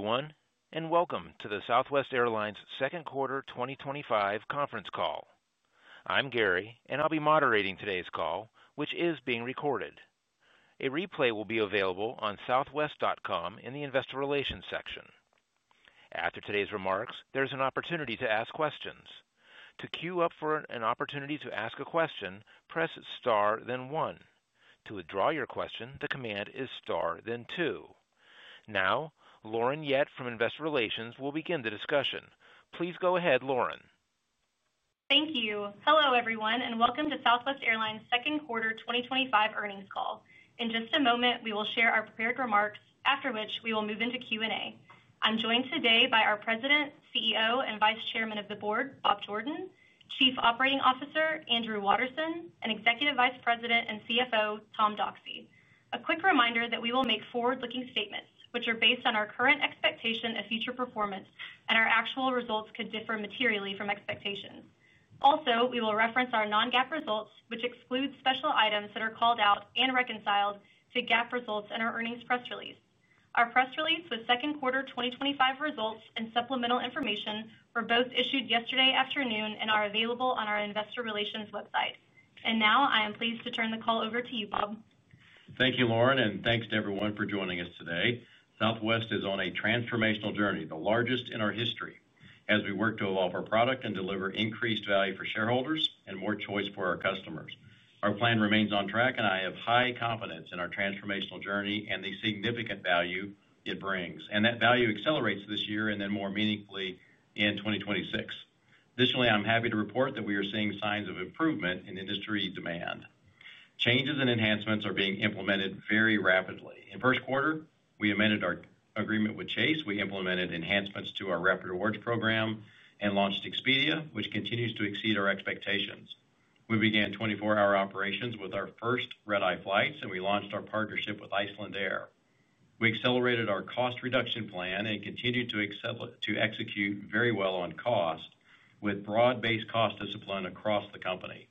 Hello everyone, and welcome to the Southwest Airlines Second Quarter 2025 Conference Call. I'm Gary, and I'll be moderating today's call, which is being recorded. A replay will be available on southwest.com in the investor relations section. After today's remarks, there's an opportunity to ask questions. To queue up for an opportunity to ask a question, press star, then one. To withdraw your question, the command is star, then two. Now, Lauren Yett from investor relations will begin the discussion. Please go ahead, Lauren. Thank you. Hello everyone, and welcome to Southwest Airlines' Second Quarter 2025 Earnings Call. In just a moment, we will share our prepared remarks, after which we will move into Q&A. I'm joined today by our President, CEO, and Vice Chairman of the Board, Bob Jordan, Chief Operating Officer, Andrew Watterson, and Executive Vice President and CFO, Tom Doxey. A quick reminder that we will make forward-looking statements, which are based on our current expectation of future performance, and our actual results could differ materially from expectations. Also, we will reference our non-GAAP results, which exclude special items that are called out and reconciled to GAAP results in our earnings press release. Our press release with second quarter 2025 results and supplemental information were both issued yesterday afternoon and are available on our investor relations website. I am pleased to turn the call over to you, Bob. Thank you, Lauren, and thanks to everyone for joining us today. Southwest is on a transformational journey, the largest in our history, as we work to evolve our product and deliver increased value for shareholders and more choice for our customers. Our plan remains on track, and I have high confidence in our transformational journey and the significant value it brings. That value accelerates this year and then more meaningfully in 2026. Additionally, I'm happy to report that we are seeing signs of improvement in industry demand. Changes and enhancements are being implemented very rapidly. In first quarter, we amended our agreement with Chase. We implemented enhancements to our Rapid Rewards program and launched Expedia, which continues to exceed our expectations. We began 24-hour operations with our first redeye flights, and we launched our partnership with Icelandair. We accelerated our cost reduction plan and continued to execute very well on cost with broad-based cost discipline across the company.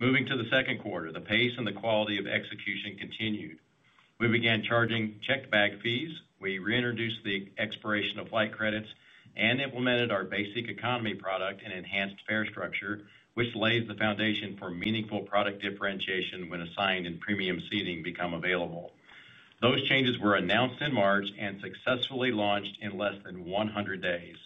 Moving to the second quarter, the pace and the quality of execution continued. We began charging checked bag fees. We reintroduced the expiration of flight credits and implemented our basic economy product and enhanced fare structure, which lays the foundation for meaningful product differentiation when assigned and premium seating become available. Those changes were announced in March and successfully launched in less than 100 days.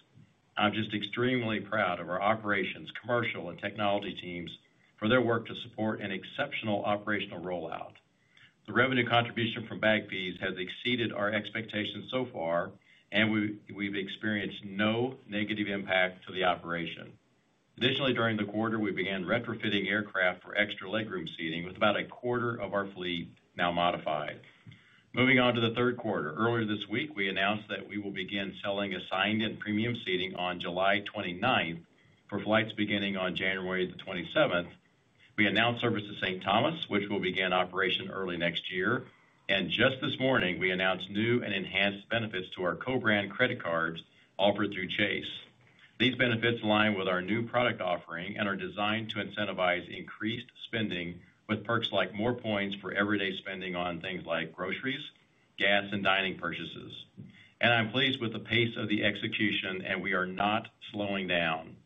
I'm just extremely proud of our operations, commercial, and technology teams for their work to support an exceptional operational rollout. The revenue contribution from bag fees has exceeded our expectations so far, and we've experienced no negative impact to the operation. Additionally, during the quarter, we began retrofitting aircraft for extra legroom seating with about a quarter of our fleet now modified. Moving on to the third quarter, earlier this week, we announced that we will begin selling assigned and premium seating on July 29th for flights beginning on January 27th. We announced service to St. Thomas, which will begin operation early next year. Just this morning, we announced new and enhanced benefits to our co-brand credit cards offered through Chase. These benefits align with our new product offering and are designed to incentivize increased spending with perks like more points for everyday spending on things like groceries, gas, and dining purchases. I'm pleased with the pace of the execution, and we are not slowing down.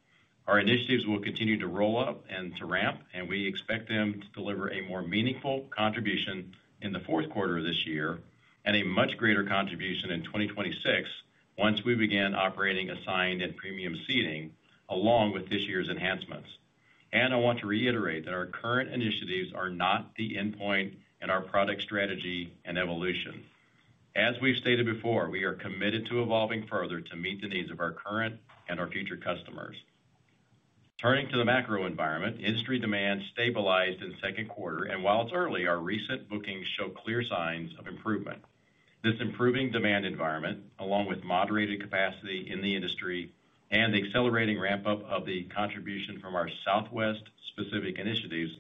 Our initiatives will continue to roll up and to ramp, and we expect them to deliver a more meaningful contribution in the fourth quarter of this year and a much greater contribution in 2026 once we begin operating assigned and premium seating along with this year's enhancements. I want to reiterate that our current initiatives are not the endpoint in our product strategy and evolution. As we've stated before, we are committed to evolving further to meet the needs of our current and our future customers. Turning to the macro environment, industry demand stabilized in second quarter, and while it's early, our recent bookings show clear signs of improvement. This improving demand environment, along with moderated capacity in the industry and the accelerating ramp-up of the contribution from our Southwest-specific initiatives,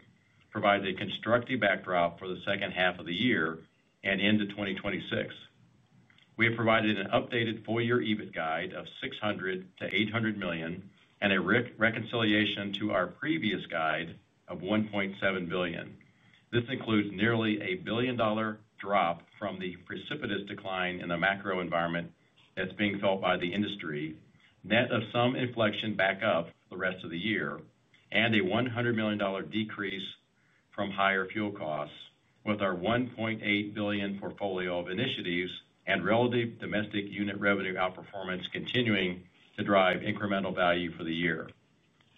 provides a constructive backdrop for the second half of the year and into 2026. We have provided an updated four-year EBIT guide of $600 million-$800 million and a reconciliation to our previous guide of $1.7 billion. This includes nearly a $1 billion drop from the precipitous decline in the macro environment that's being felt by the industry, net of some inflection back up for the rest of the year, and a $100 million decrease from higher fuel costs with our $1.8 billion portfolio of initiatives and relative domestic unit revenue outperformance continuing to drive incremental value for the year.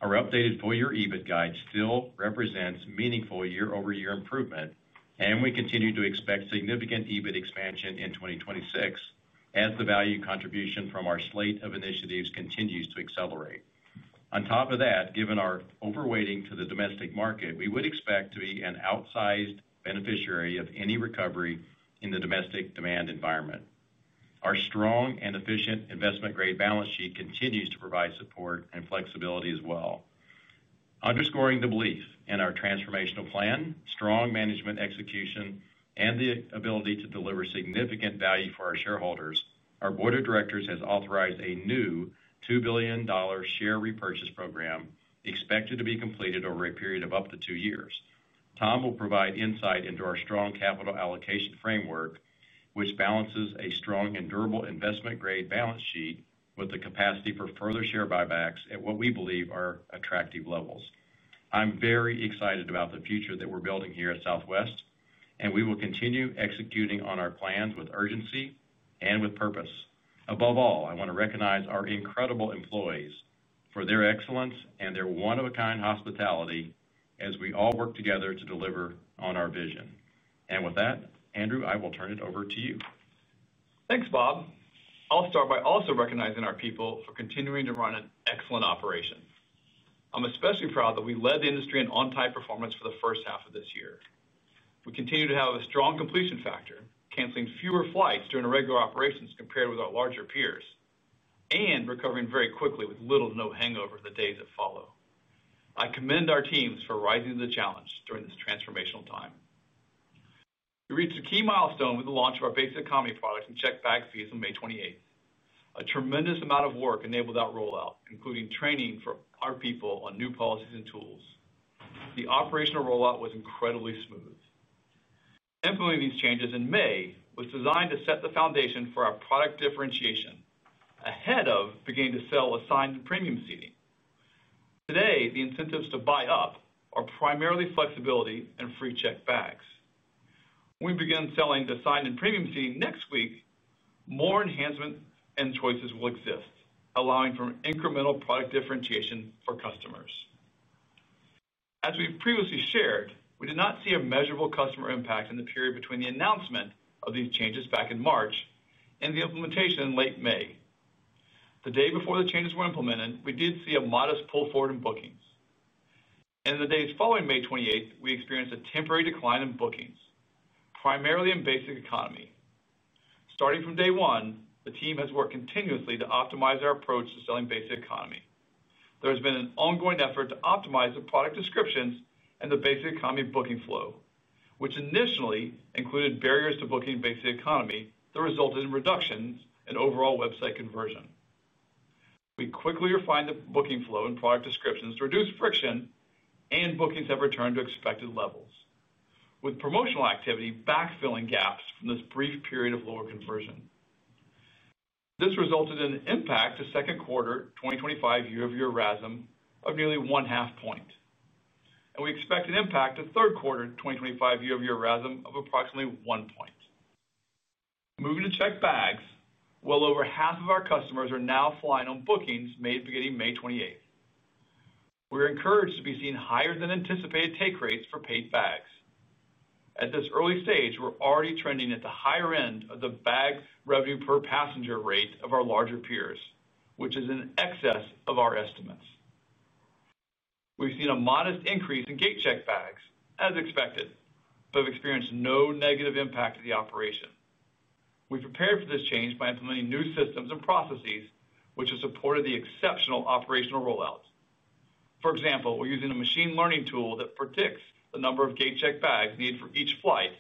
Our updated four-year EBIT guide still represents meaningful year-over-year improvement, and we continue to expect significant EBIT expansion in 2026 as the value contribution from our slate of initiatives continues to accelerate. On top of that, given our overweighting to the domestic market, we would expect to be an outsized beneficiary of any recovery in the domestic demand environment. Our strong and efficient investment-grade balance sheet continues to provide support and flexibility as well. Underscoring the belief in our transformational plan, strong management execution, and the ability to deliver significant value for our shareholders, our board of directors has authorized a new $2 billion share repurchase program expected to be completed over a period of up to two years. Tom will provide insight into our strong capital allocation framework, which balances a strong and durable investment-grade balance sheet with the capacity for further share buybacks at what we believe are attractive levels. I'm very excited about the future that we're building here at Southwest, and we will continue executing on our plans with urgency and with purpose. Above all, I want to recognize our incredible employees for their excellence and their one-of-a-kind hospitality as we all work together to deliver on our vision. With that, Andrew, I will turn it over to you. Thanks, Bob. I'll start by also recognizing our people for continuing to run an excellent operation. I'm especially proud that we led the industry in on-time performance for the first half of this year. We continue to have a strong completion factor, canceling fewer flights during regular operations compared with our larger peers, and recovering very quickly with little to no hangover in the days that follow. I commend our teams for rising to the challenge during this transformational time. We reached a key milestone with the launch of our basic economy product and checked bag fees on May 28th. A tremendous amount of work enabled that rollout, including training for our people on new policies and tools. The operational rollout was incredibly smooth. Implementing these changes in May was designed to set the foundation for our product differentiation ahead of beginning to sell assigned and premium seating. Today, the incentives to buy up are primarily flexibility and free checked bags. When we begin selling the assigned and premium seating next week, more enhancements and choices will exist, allowing for incremental product differentiation for customers. As we've previously shared, we did not see a measurable customer impact in the period between the announcement of these changes back in March and the implementation in late May. The day before the changes were implemented, we did see a modest pull forward in bookings. In the days following May 28th, we experienced a temporary decline in bookings, primarily in basic economy. Starting from day one, the team has worked continuously to optimize our approach to selling basic economy. There has been an ongoing effort to optimize the product descriptions and the basic economy booking flow, which initially included barriers to booking basic economy that resulted in reductions in overall website conversion. We quickly refined the booking flow and product descriptions to reduce friction, and bookings have returned to expected levels, with promotional activity backfilling gaps from this brief period of lower conversion. This resulted in an impact to second quarter 2025 year-over-year RASM of nearly one-half point. We expect an impact to third quarter 2025 year-over-year RASM of approximately one point. Moving to checked bags, well over half of our customers are now flying on bookings made beginning May 28th. We're encouraged to be seeing higher-than-anticipated take rates for paid bags. At this early stage, we're already trending at the higher end of the bag revenue per passenger rate of our larger peers, which is in excess of our estimates. We've seen a modest increase in gate checked bags, as expected, but have experienced no negative impact to the operation. We prepared for this change by implementing new systems and processes, which have supported the exceptional operational rollouts. For example, we're using a machine learning tool that predicts the number of gate checked bags needed for each flight,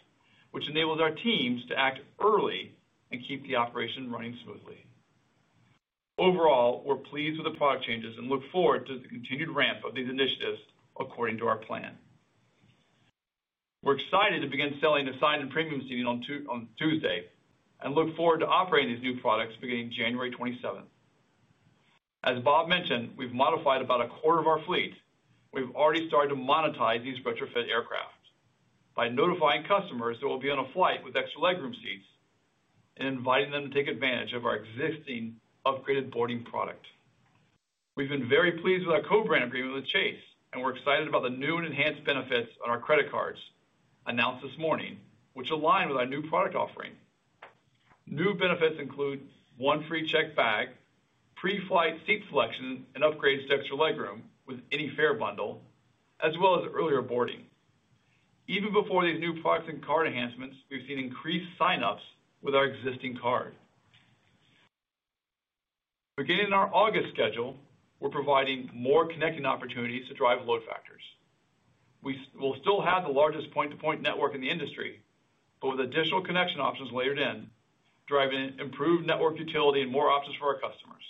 which enables our teams to act early and keep the operation running smoothly. Overall, we're pleased with the product changes and look forward to the continued ramp of these initiatives according to our plan. We're excited to begin selling assigned and premium seating on Tuesday and look forward to operating these new products beginning January 27th. As Bob mentioned, we've modified about a quarter of our fleet. We've already started to monetize these retrofit aircraft by notifying customers that will be on a flight with extra legroom seats and inviting them to take advantage of our existing upgraded boarding product. We've been very pleased with our co-brand agreement with Chase, and we're excited about the new and enhanced benefits on our credit cards announced this morning, which align with our new product offering. New benefits include one free checked bag, pre-flight seat selection, and upgrades to extra legroom with any fare bundle, as well as earlier boarding. Even before these new products and card enhancements, we've seen increased sign-ups with our existing card. Beginning in our August schedule, we're providing more connecting opportunities to drive load factors. We will still have the largest point-to-point network in the industry, but with additional connection options layered in, driving improved network utility and more options for our customers.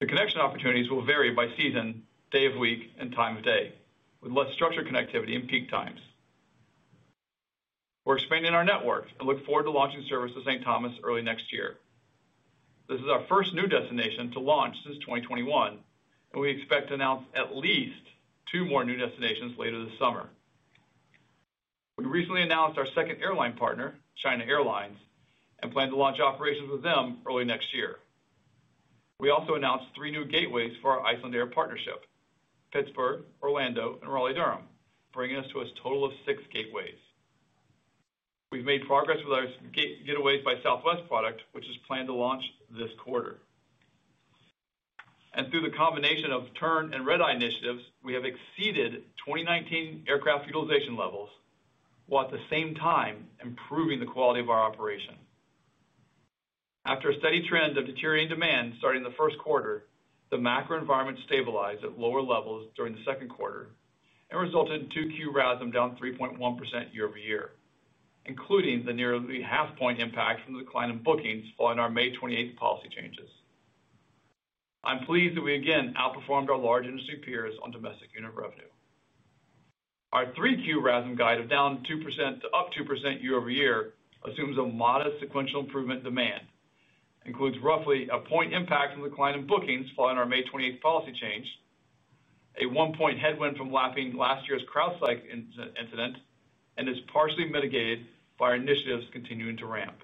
The connection opportunities will vary by season, day of week, and time of day, with less structured connectivity in peak times. We're expanding our network and look forward to launching service to St. We're expanding our network and look forward to launching service to St. Thomas early next year. This is our first new destination to launch since 2021, and we expect to announce at least two more new destinations later this summer. We recently announced our second airline partner, China Airlines, and plan to launch operations with them early next year. We also announced three new gateways for our Icelandair partnership, Pittsburgh, Orlando, and Raleigh-Durham, bringing us to a total of six gateways. We've made progress with our Getaways by Southwest product, which is planned to launch this quarter. Through the combination of turn and redeye initiatives, we have exceeded 2019 aircraft utilization levels while at the same time improving the quality of our operation. After a steady trend of deteriorating demand starting in the first quarter, the macro environment stabilized at lower levels during the second quarter and resulted in 2Q RASM down 3.1% year-over-year, including the nearly half-point impact from the decline in bookings following our May 28th policy changes. I'm pleased that we again outperformed our large industry peers on domestic unit revenue. Our 3Q RASM guide of down 2% to up 2% year-over-year assumes a modest sequential improvement in demand, includes roughly a point impact from the decline in bookings following our May 28th policy change, a one-point headwind from lapping last year's crowd cycle incident, and is partially mitigated by our initiatives continuing to ramp.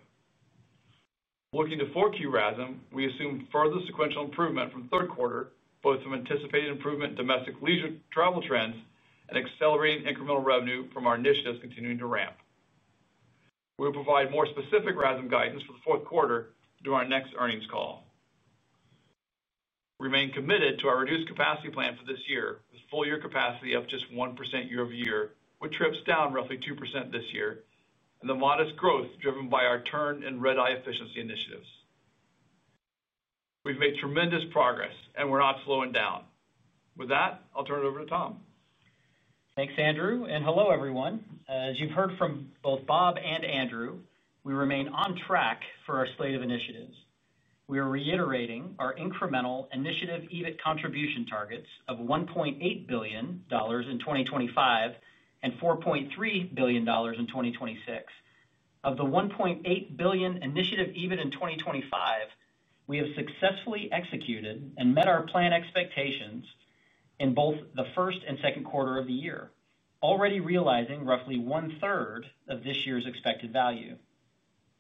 Looking to 4Q RASM, we assume further sequential improvement from third quarter, both from anticipated improvement in domestic leisure travel trends and accelerating incremental revenue from our initiatives continuing to ramp. We will provide more specific RASM guidance for the fourth quarter during our next earnings call. We remain committed to our reduced capacity plan for this year, with full-year capacity up just 1% year-over-year, with trips down roughly 2% this year, and the modest growth driven by our turn and redeye efficiency initiatives. We've made tremendous progress, and we're not slowing down. With that, I'll turn it over to Tom. Thanks, Andrew. And hello, everyone. As you've heard from both Bob and Andrew, we remain on track for our slate of initiatives. We are reiterating our incremental initiative EBIT contribution targets of $1.8 billion in 2025 and $4.3 billion in 2026. Of the $1.8 billion initiative EBIT in 2025, we have successfully executed and met our planned expectations in both the first and second quarter of the year, already realizing roughly one-third of this year's expected value.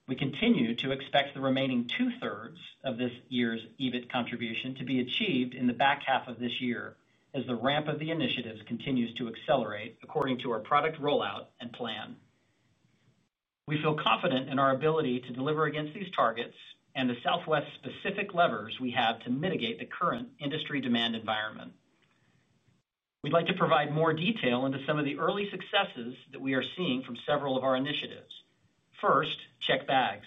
We continue to expect the remaining 2/3 of this year's EBIT contribution to be achieved in the back half of this year as the ramp of the initiatives continues to accelerate according to our product rollout and plan. We feel confident in our ability to deliver against these targets and the Southwest-specific levers we have to mitigate the current industry demand environment. We'd like to provide more detail into some of the early successes that we are seeing from several of our initiatives. First, checked bags.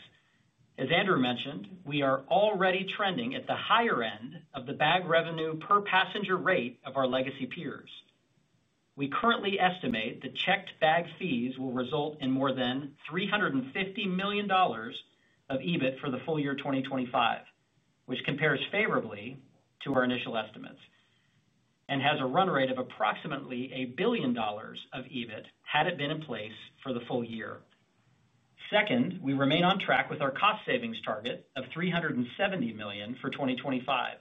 As Andrew mentioned, we are already trending at the higher end of the bag revenue per passenger rate of our legacy peers. We currently estimate that checked bag fees will result in more than $350 million of EBIT for the full year 2025, which compares favorably to our initial estimates and has a run rate of approximately $1 billion of EBIT had it been in place for the full year. Second, we remain on track with our cost savings target of $370 million for 2025.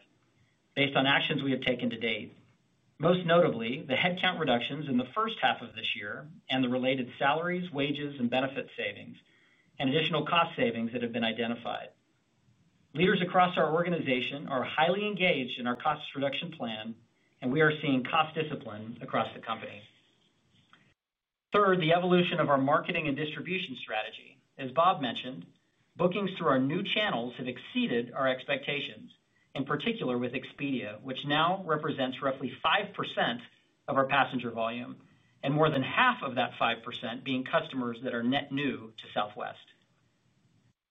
Based on actions we have taken to date, most notably the headcount reductions in the first half of this year and the related salaries, wages, and benefits savings, and additional cost savings that have been identified. Leaders across our organization are highly engaged in our cost reduction plan, and we are seeing cost discipline across the company. Third, the evolution of our marketing and distribution strategy. As Bob mentioned, bookings through our new channels have exceeded our expectations, in particular with Expedia, which now represents roughly 5% of our passenger volume, and more than half of that 5% being customers that are net new to Southwest.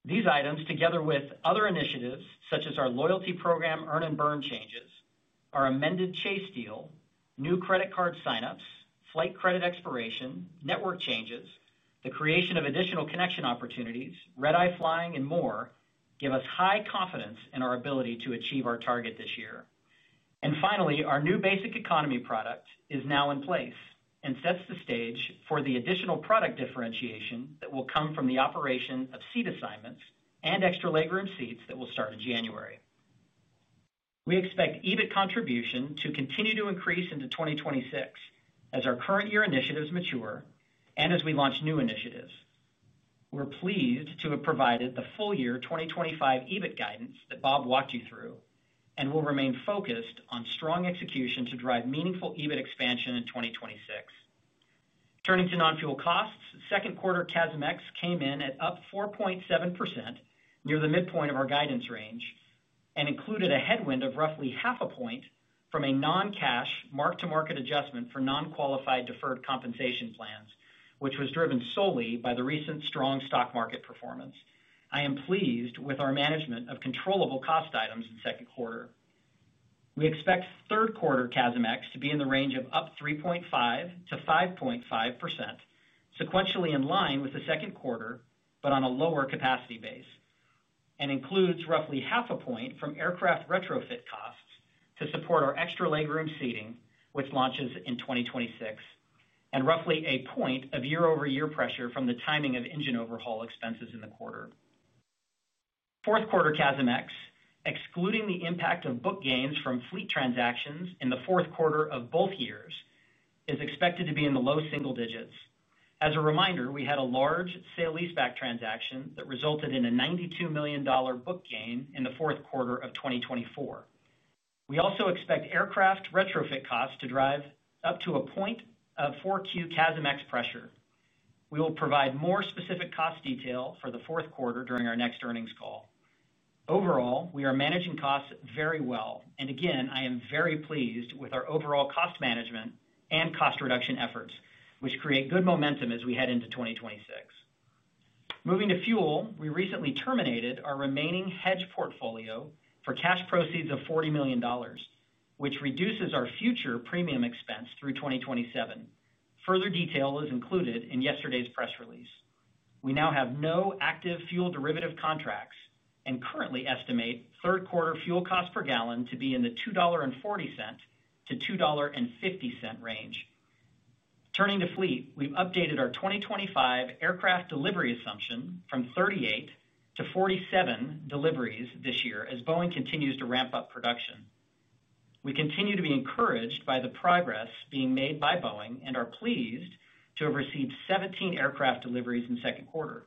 These items, together with other initiatives such as our loyalty program, earn and burn changes, our amended Chase deal, new credit card sign-ups, flight credit expiration, network changes, the creation of additional connection opportunities, redeye flying, and more, give us high confidence in our ability to achieve our target this year. Finally, our new basic economy product is now in place and sets the stage for the additional product differentiation that will come from the operation of seat assignments and extra legroom seats that will start in January. We expect EBIT contribution to continue to increase into 2026 as our current year initiatives mature and as we launch new initiatives. We're pleased to have provided the full year 2025 EBIT guidance that Bob walked you through and will remain focused on strong execution to drive meaningful EBIT expansion in 2026. Turning to non-fuel costs. Second quarter CASMex came in at up 4.7%, near the midpoint of our guidance range, and included a headwind of roughly half a point from a non-cash mark-to-market adjustment for non-qualified deferred compensation plans, which was driven solely by the recent strong stock market performance. I am pleased with our management of controllable cost items in second quarter. We expect third quarter CASMex to be in the range of up 3.5%-5.5%, sequentially in line with the second quarter, but on a lower capacity base, and includes roughly half a point from aircraft retrofit costs to support our extra legroom seating, which launches in 2026, and roughly a point of year-over-year pressure from the timing of engine overhaul expenses in the quarter. Fourth quarter CASMex, excluding the impact of book gains from fleet transactions in the fourth quarter of both years, is expected to be in the low single digits. As a reminder, we had a large sale and leaseback transaction that resulted in a $92 million book gain in the fourth quarter of 2024. We also expect aircraft retrofit costs to drive up to a point of fourth quarter CASMex pressure. We will provide more specific cost detail for the fourth quarter during our next earnings call. Overall, we are managing costs very well. Again, I am very pleased with our overall cost management and cost reduction efforts, which create good momentum as we head into 2026. Moving to fuel, we recently terminated our remaining hedge portfolio for cash proceeds of $40 million, which reduces our future premium expense through 2027. Further detail is included in yesterday's press release. We now have no active fuel derivative contracts and currently estimate third quarter fuel costs per gallon to be in the $2.40-$2.50 range. Turning to fleet, we've updated our 2025 aircraft delivery assumption from 38 to 47 deliveries this year as Boeing continues to ramp up production. We continue to be encouraged by the progress being made by Boeing and are pleased to have received 17 aircraft deliveries in second quarter.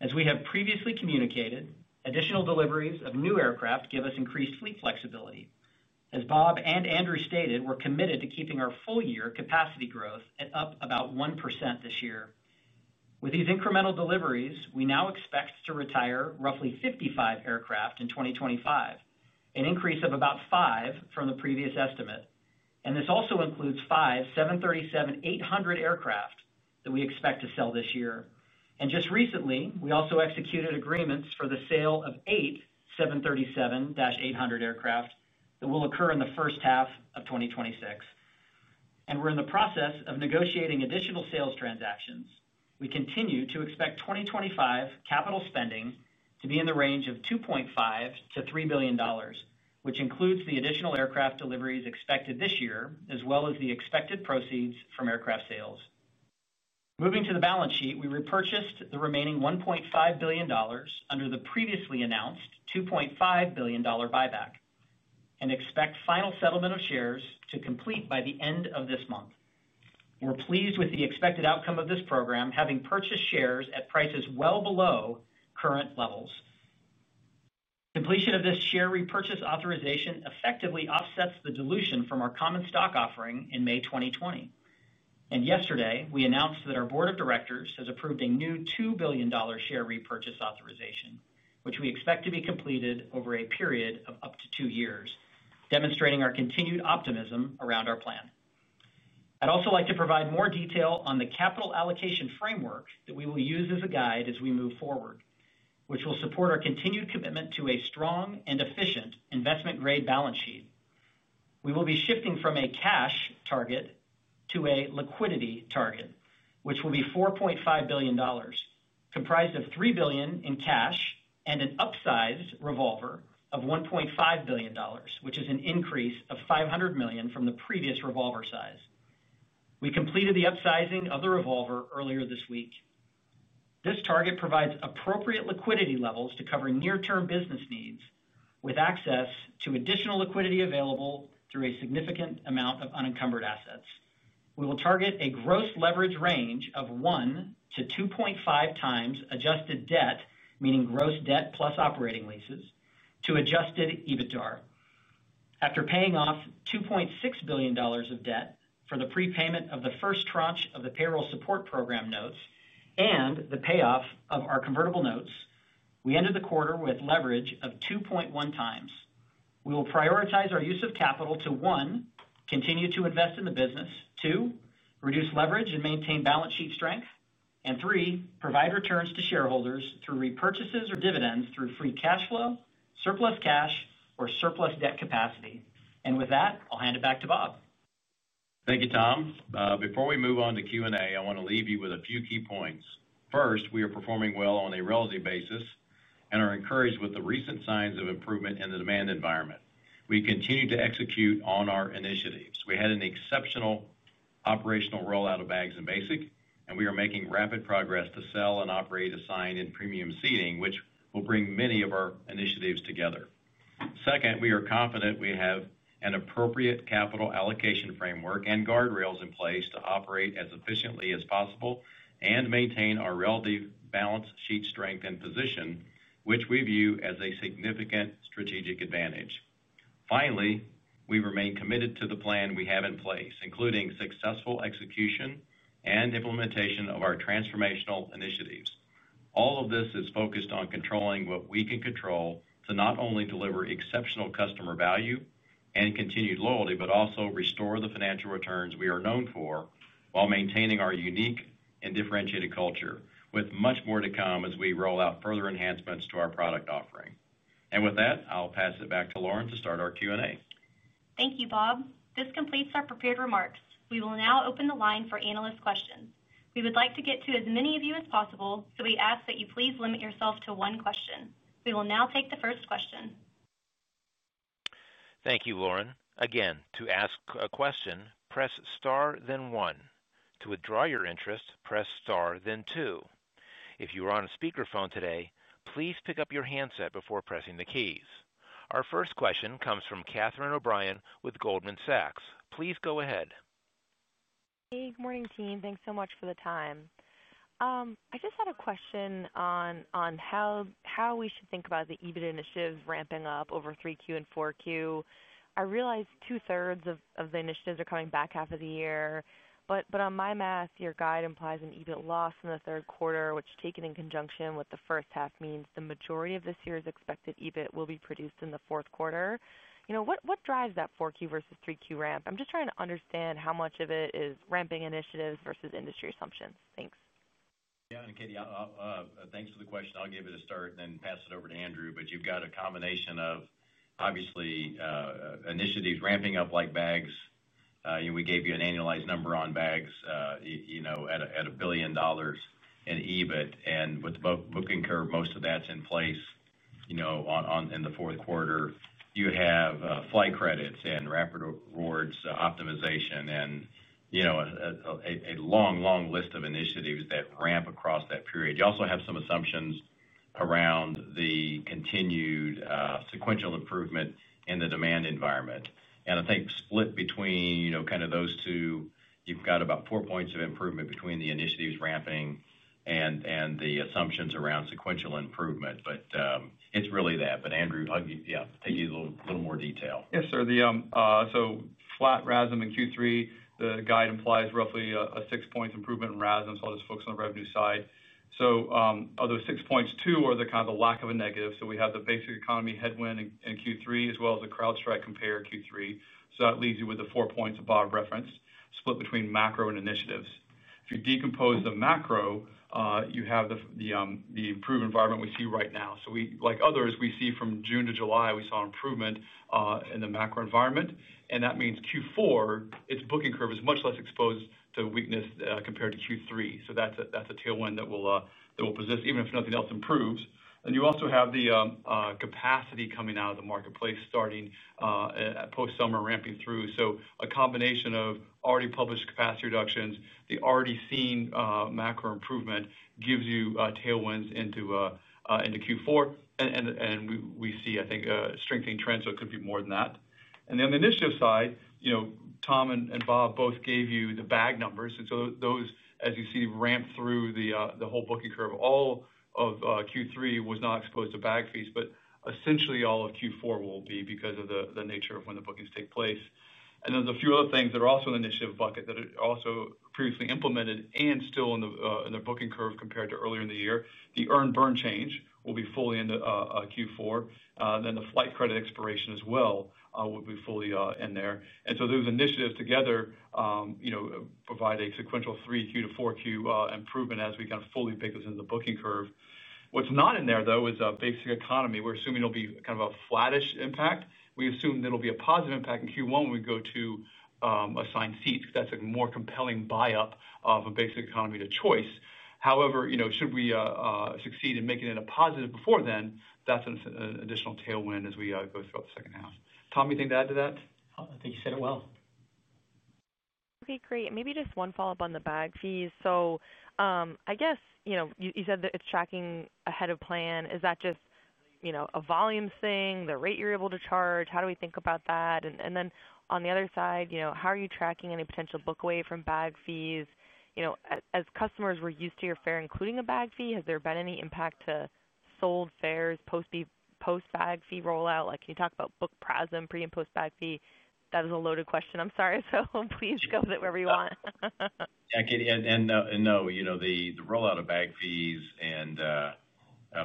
As we have previously communicated, additional deliveries of new aircraft give us increased fleet flexibility. As Bob and Andrew stated, we're committed to keeping our full-year capacity growth at up about 1% this year. With these incremental deliveries, we now expect to retire roughly 55 aircraft in 2025, an increase of about five from the previous estimate. This also includes five 737-800 aircraft that we expect to sell this year. Just recently, we also executed agreements for the sale of eight 737-800 aircraft that will occur in the first half of 2026. We are in the process of negotiating additional sales transactions. We continue to expect 2025 capital spending to be in the range of $2.5 billion-$3 billion, which includes the additional aircraft deliveries expected this year, as well as the expected proceeds from aircraft sales. Moving to the balance sheet, we repurchased the remaining $1.5 billion under the previously announced $2.5 billion buyback and expect final settlement of shares to complete by the end of this month. We're pleased with the expected outcome of this program, having purchased shares at prices well below current levels. Completion of this share repurchase authorization effectively offsets the dilution from our common stock offering in May 2020. Yesterday, we announced that our board of directors has approved a new $2 billion share repurchase authorization, which we expect to be completed over a period of up to two years, demonstrating our continued optimism around our plan. I'd also like to provide more detail on the capital allocation framework that we will use as a guide as we move forward, which will support our continued commitment to a strong and efficient investment-grade balance sheet. We will be shifting from a cash target to a liquidity target, which will be $4.5 billion, comprised of $3 billion in cash and an upsized revolver of $1.5 billion, which is an increase of $500 million from the previous revolver size. We completed the upsizing of the revolver earlier this week. This target provides appropriate liquidity levels to cover near-term business needs with access to additional liquidity available through a significant amount of unencumbered assets. We will target a gross leverage range of 1-2.5 times adjusted debt, meaning gross debt plus operating leases, to adjusted EBITDA. After paying off $2.6 billion of debt for the prepayment of the first tranche of the payroll support program notes and the payoff of our convertible notes, we ended the quarter with leverage of 2.1 times. We will prioritize our use of capital to, one, continue to invest in the business, two, reduce leverage and maintain balance sheet strength, and three, provide returns to shareholders through repurchases or dividends through free cash flow, surplus cash, or surplus debt capacity. With that, I'll hand it back to Bob. Thank you, Tom. Before we move on to Q&A, I want to leave you with a few key points. First, we are performing well on a relative basis and are encouraged with the recent signs of improvement in the demand environment. We continue to execute on our initiatives. We had an exceptional operational rollout of bags and basic, and we are making rapid progress to sell and operate assigned and premium seating, which will bring many of our initiatives together. Second, we are confident we have an appropriate capital allocation framework and guardrails in place to operate as efficiently as possible and maintain our relative balance sheet strength and position, which we view as a significant strategic advantage. Finally, we remain committed to the plan we have in place, including successful execution and implementation of our transformational initiatives. All of this is focused on controlling what we can control to not only deliver exceptional customer value and continued loyalty, but also restore the financial returns we are known for while maintaining our unique and differentiated culture, with much more to come as we roll out further enhancements to our product offering. With that, I'll pass it back to Lauren to start our Q&A. Thank you, Bob. This completes our prepared remarks. We will now open the line for analyst questions. We would like to get to as many of you as possible, so we ask that you please limit yourself to one question. We will now take the first question. Thank you, Lauren. Again, to ask a question, press star, then one. To withdraw your interest, press star, then two. If you are on a speakerphone today, please pick up your handset before pressing the keys. Our first question comes from Catherine O'Brien with Goldman Sachs. Please go ahead. Hey, good morning, team. Thanks so much for the time. I just had a question on how we should think about the EBIT initiatives ramping up over 3Q and 4Q. I realize 2/3 of the initiatives are coming back half of the year, but on my math, your guide implies an EBIT loss in the third quarter, which, taken in conjunction with the first half, means the majority of this year's expected EBIT will be produced in the fourth quarter. What drives that 4Q versus 3Q ramp? I'm just trying to understand how much of it is ramping initiatives versus industry assumptions. Thanks. Yeah, and Katie, thanks for the question. I'll give it a start and then pass it over to Andrew. You've got a combination of, obviously, initiatives ramping up like bags. We gave you an annualized number on bags at $1 billion in EBIT, and with the booking curve, most of that's in place. In the fourth quarter, you have flight credits and Rapid Rewards optimization and a long, long list of initiatives that ramp across that period. You also have some assumptions around the continued sequential improvement in the demand environment. I think split between kind of those two, you've got about four points of improvement between the initiatives ramping and the assumptions around sequential improvement. It's really that. Andrew, yeah, take you a little more detail. Yes, sir. Flat RASM in Q3, the guide implies roughly a six-point improvement in RASM, so I'll just focus on the revenue side. Those six points too are kind of the lack of a negative. We have the basic economy headwind in Q3, as well as the CrowdStrike compare Q3. That leaves you with the four points at the bottom reference split between macro and initiatives. If you decompose the macro, you have the improved environment we see right now. Like others, we see from June to July, we saw improvement in the macro environment. That means Q4, its booking curve is much less exposed to weakness compared to Q3. That is a tailwind that will persist even if nothing else improves. You also have the capacity coming out of the marketplace starting post-summer, ramping through. A combination of already published capacity reductions and the already seen macro improvement gives you tailwinds into Q4. We see, I think, a strengthening trend, so it could be more than that. On the initiative side, Tom and Bob both gave you the bag numbers. Those, as you see, ramp through the whole booking curve. All of Q3 was not exposed to bag fees, but essentially all of Q4 will be because of the nature of when the bookings take place. There are a few other things that are also in the initiative bucket that are also previously implemented and still in the booking curve compared to earlier in the year. The earn burn change will be fully in Q4. The flight credit expiration as well will be fully in there. Those initiatives together provide a sequential 3Q to 4Q improvement as we kind of fully pick this into the booking curve. What's not in there, though, is basic economy. We're assuming it'll be kind of a flattish impact. We assume that it'll be a positive impact in Q1 when we go to assign seats. That's a more compelling buy-up of a basic economy to choice. However, should we succeed in making it a positive before then, that's an additional tailwind as we go throughout the second half. Tom, anything to add to that? I think you said it well. Okay, great. Maybe just one follow-up on the bag fees. I guess you said that it's tracking ahead of plan. Is that just a volume thing, the rate you're able to charge? How do we think about that? On the other side, how are you tracking any potential book away from bag fees? As customers, we're used to your fare including a bag fee. Has there been any impact to sold fares post-bag fee rollout? Can you talk about book PRASM, pre and post-bag fee? That is a loaded question. I'm sorry. Please go with it wherever you want. Yeah, Catie. No, the rollout of bag fees and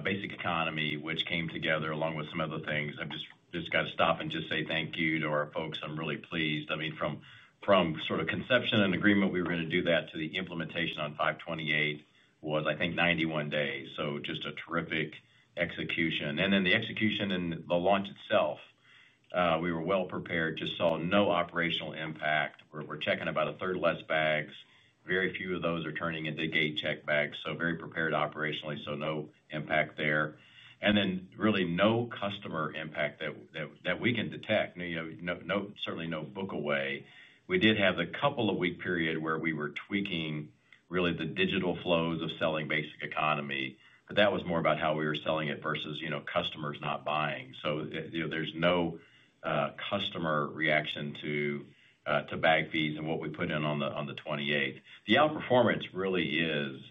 basic economy, which came together along with some other things, I just got to stop and just say thank you to our folks. I'm really pleased. I mean, from sort of conception and agreement, we were going to do that to the implementation on 5/28 was, I think, 91 days. Just a terrific execution. The execution and the launch itself, we were well prepared, just saw no operational impact. We're checking about 1/3 less bags. Very few of those are turning into gate check bags. Very prepared operationally, so no impact there. Really no customer impact that we can detect. Certainly, no book away. We did have the couple of week period where we were tweaking really the digital flows of selling basic economy, but that was more about how we were selling it versus customers not buying. There's no customer reaction to bag fees and what we put in on the 28th. The outperformance really is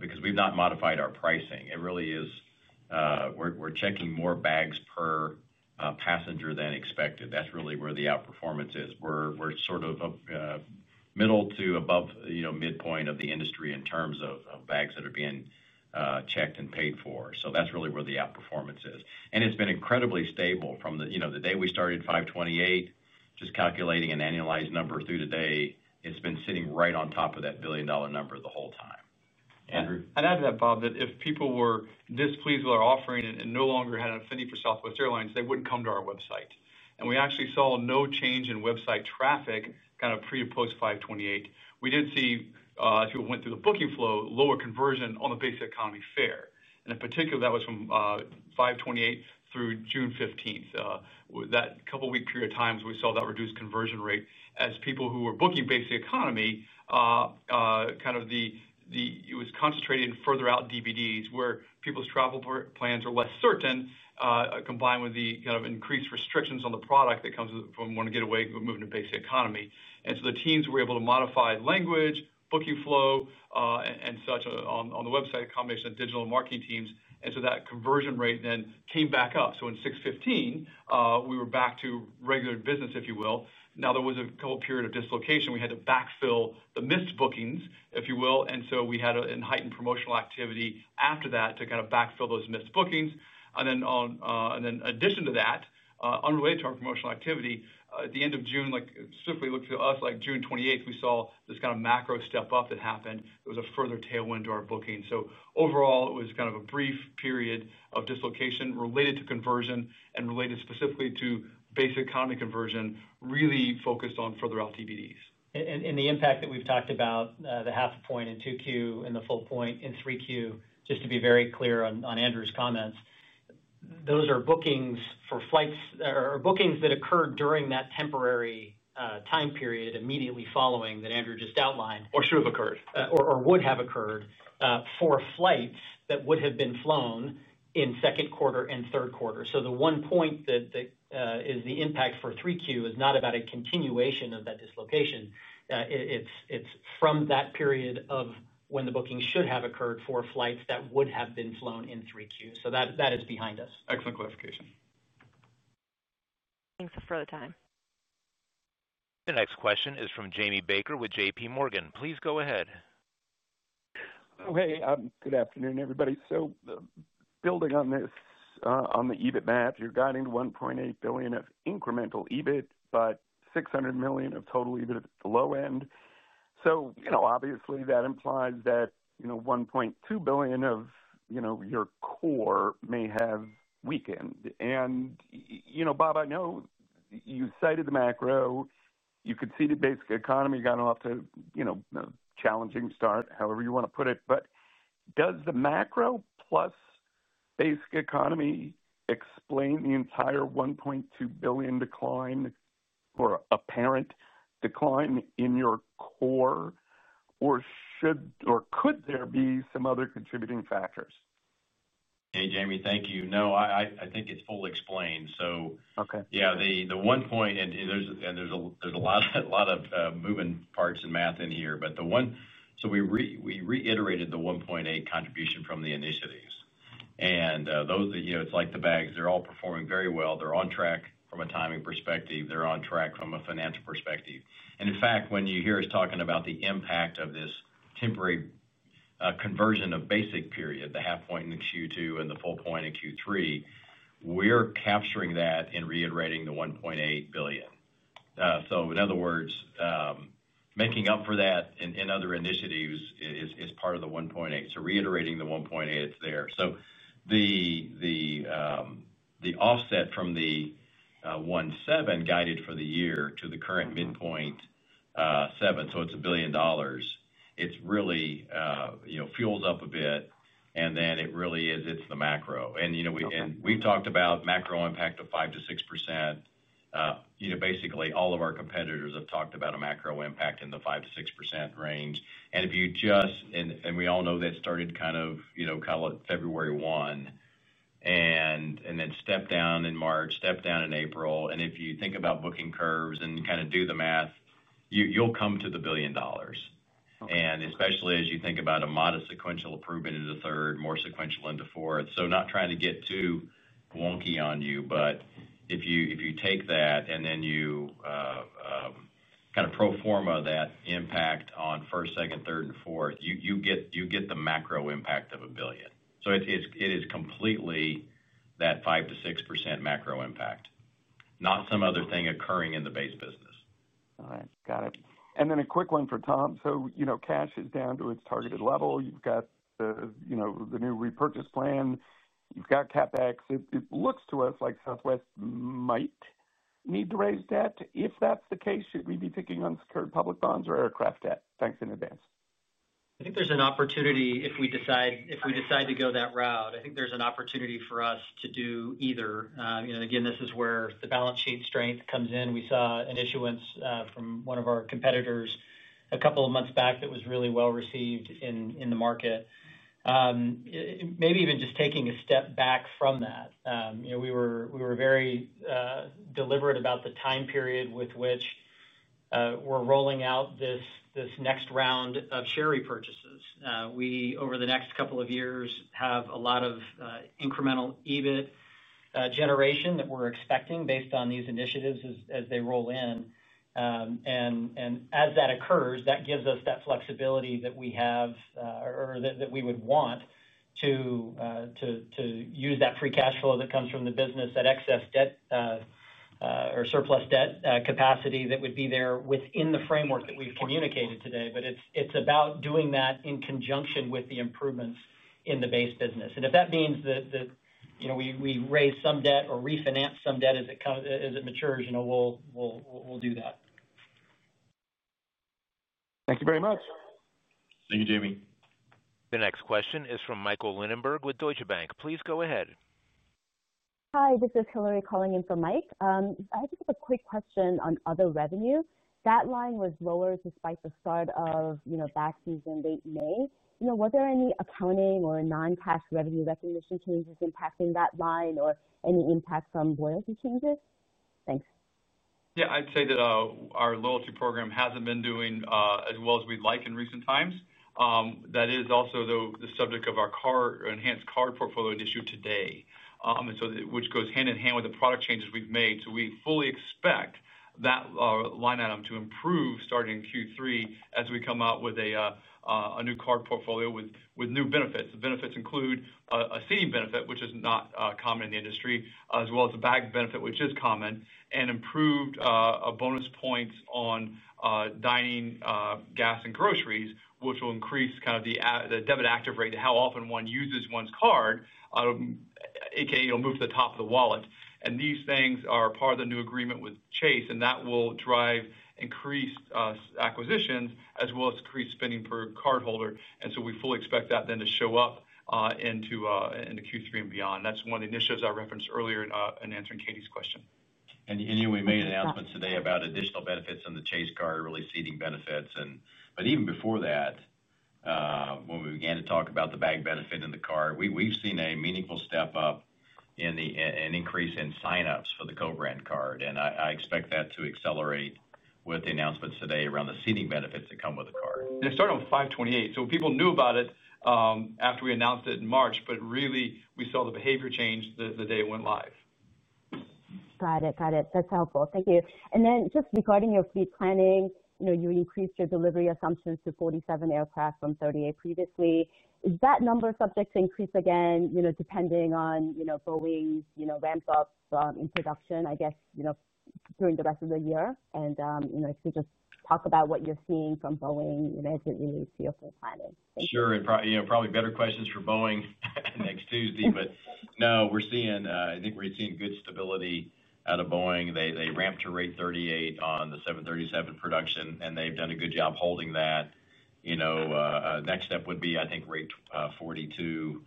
because we've not modified our pricing. It really is we're checking more bags per passenger than expected. That's really where the outperformance is. We're sort of middle to above midpoint of the industry in terms of bags that are being checked and paid for. That's really where the outperformance is. It's been incredibly stable from the day we started 5/28, just calculating an annualized number through today, it's been sitting right on top of that $1 billion number the whole time. Andrew. I'd add to that, Bob, that if people were displeased with our offering and no longer had an affinity for Southwest Airlines, they wouldn't come to our website. We actually saw no change in website traffic kind of pre and post 5/28. We did see, as we went through the booking flow, lower conversion on the basic economy fare. In particular, that was from 5/28 through June 15th. That couple-week period of time, we saw that reduced conversion rate as people who were booking basic economy. It was concentrated in further out DVDs where people's travel plans are less certain, combined with the kind of increased restrictions on the product that comes from wanting to get away with moving to basic economy. The teams were able to modify language, booking flow, and such on the website, a combination of digital and marketing teams. That conversion rate then came back up. In 6/15, we were back to regular business, if you will. There was a couple of periods of dislocation. We had to backfill the missed bookings, if you will. We had a heightened promotional activity after that to kind of backfill those missed bookings. In addition to that, unrelated to our promotional activity, at the end of June, specifically looking to us, like June 28th, we saw this kind of macro step up that happened. It was a further tailwind to our booking. Overall, it was kind of a brief period of dislocation related to conversion and related specifically to basic economy conversion, really focused on further out DVDs. The impact that we've talked about, the half a point in 2Q and the full point in 3Q, just to be very clear on Andrew's comments. Those are bookings for flights or bookings that occurred during that temporary time period immediately following that Andrew just outlined or should have occurred. Or would have occurred for flights that would have been flown in second quarter and third quarter. The one point that is the impact for 3Q is not about a continuation of that dislocation. It is from that period of when the booking should have occurred for flights that would have been flown in 3Q. That is behind us. Excellent clarification. Thanks for the time. The next question is from Jamie Baker with JPMorgan. Please go ahead. Okay. Good afternoon, everybody. Building on this, on the EBIT map, you're guiding to $1.8 billion of incremental EBIT, but $600 million of total EBIT at the low end. Obviously, that implies that $1.2 billion of your core may have weakened. Bob, I know you cited the macro. You could see the basic economy got off to a challenging start, however you want to put it. Does the macro plus basic economy explain the entire $1.2 billion decline or apparent decline in your core, or could there be some other contributing factors? Hey, Jamie, thank you. No, I think it's fully explained. Yeah, the one point, and there's a lot of moving parts and math in here, but the one, so we reiterated the $1.8 billion contribution from the initiatives. It's like the bags. They're all performing very well. They're on track from a timing perspective. They're on track from a financial perspective. In fact, when you hear us talking about the impact of this temporary conversion of basic period, the half point in Q2 and the full point in Q3, we're capturing that in reiterating the $1.8 billion. In other words, making up for that in other initiatives is part of the $1.8 billion. Reiterating the $1.8 billion, it's there. The offset from the $1.7 billion guided for the year to the current midpoint, so it's $1 billion. It really fuels up a bit, and then it really is, it's the macro. We've talked about macro impact of 5%-6%. Basically, all of our competitors have talked about a macro impact in the 5%-6% range. We all know that started kind of, call it February 1. Then step down in March, step down in April. If you think about booking curves and kind of do the math, you'll come to the $1 billion. Especially as you think about a modest sequential improvement into third, more sequential into fourth. Not trying to get too wonky on you, but if you take that and then you kind of pro forma that impact on first, second, third, and fourth, you get the macro impact of a billion. It is completely that 5%-6% macro impact, not some other thing occurring in the base business. Got it. Then a quick one for Tom. Cash is down to its targeted level. You've got the new repurchase plan. You've got CapEx. It looks to us like Southwest might need to raise debt. If that's the case, should we be picking unsecured public bonds or aircraft debt? Thanks in advance. I think there's an opportunity if we decide to go that route. I think there's an opportunity for us to do either. Again, this is where the balance sheet strength comes in. We saw an issuance from one of our competitors a couple of months back that was really well received in the market. Maybe even just taking a step back from that. We were very deliberate about the time period with which we're rolling out this next round of share repurchases. We, over the next couple of years, have a lot of incremental EBIT generation that we're expecting based on these initiatives as they roll in. As that occurs, that gives us that flexibility that we have, or that we would want to use that free cash flow that comes from the business, that excess debt or surplus debt capacity that would be there within the framework that we've communicated today. It's about doing that in conjunction with the improvements in the base business. If that means that we raise some debt or refinance some debt as it matures, we'll do that. Thank you very much. Thank you, Jamie. The next question is from Michael Lindenberg with Deutsche Bank. Please go ahead. Hi, this is Hilary calling in from Mike. I just have a quick question on other revenue. That line was lower despite the start of back season late May. Were there any accounting or non-cash revenue recognition changes impacting that line or any impact from loyalty changes? Thanks. Yeah, I'd say that our loyalty program hasn't been doing as well as we'd like in recent times. That is also the subject of our enhanced card portfolio issue today, which goes hand in hand with the product changes we've made. We fully expect that line item to improve starting in Q3 as we come out with a new card portfolio with new benefits. The benefits include a seating benefit, which is not common in the industry, as well as a bag benefit, which is common, and improved bonus points on dining, gas, and groceries, which will increase kind of the debit active rate to how often one uses one's card. AKA, it'll move to the top of the wallet. These things are part of the new agreement with Chase, and that will drive increased acquisitions as well as increased spending per cardholder. We fully expect that then to show up into Q3 and beyond. That's one of the initiatives I referenced earlier in answering Catie's question. We made announcements today about additional benefits in the Chase card, really seating benefits. Even before that, when we began to talk about the bag benefit in the card, we've seen a meaningful step up in an increase in sign-ups for the Chase card. I expect that to accelerate with the announcements today around the seating benefits that come with the card. It started on 5/28. People knew about it after we announced it in March, but really, we saw the behavior change the day it went live. Got it. Got it. That's helpful. Thank you. Just regarding your fleet planning, you increased your delivery assumptions to 47 aircraft from 38 previously. Is that number subject to increase again, depending on Boeing's ramp-up in production, I guess? During the rest of the year? If you could just talk about what you're seeing from Boeing as it relates to your fleet planning. Sure. Probably better questions for Boeing next Tuesday. No, I think we're seeing good stability out of Boeing. They ramped to rate 38 on the 737 production, and they've done a good job holding that. Next step would be, I think, rate 42.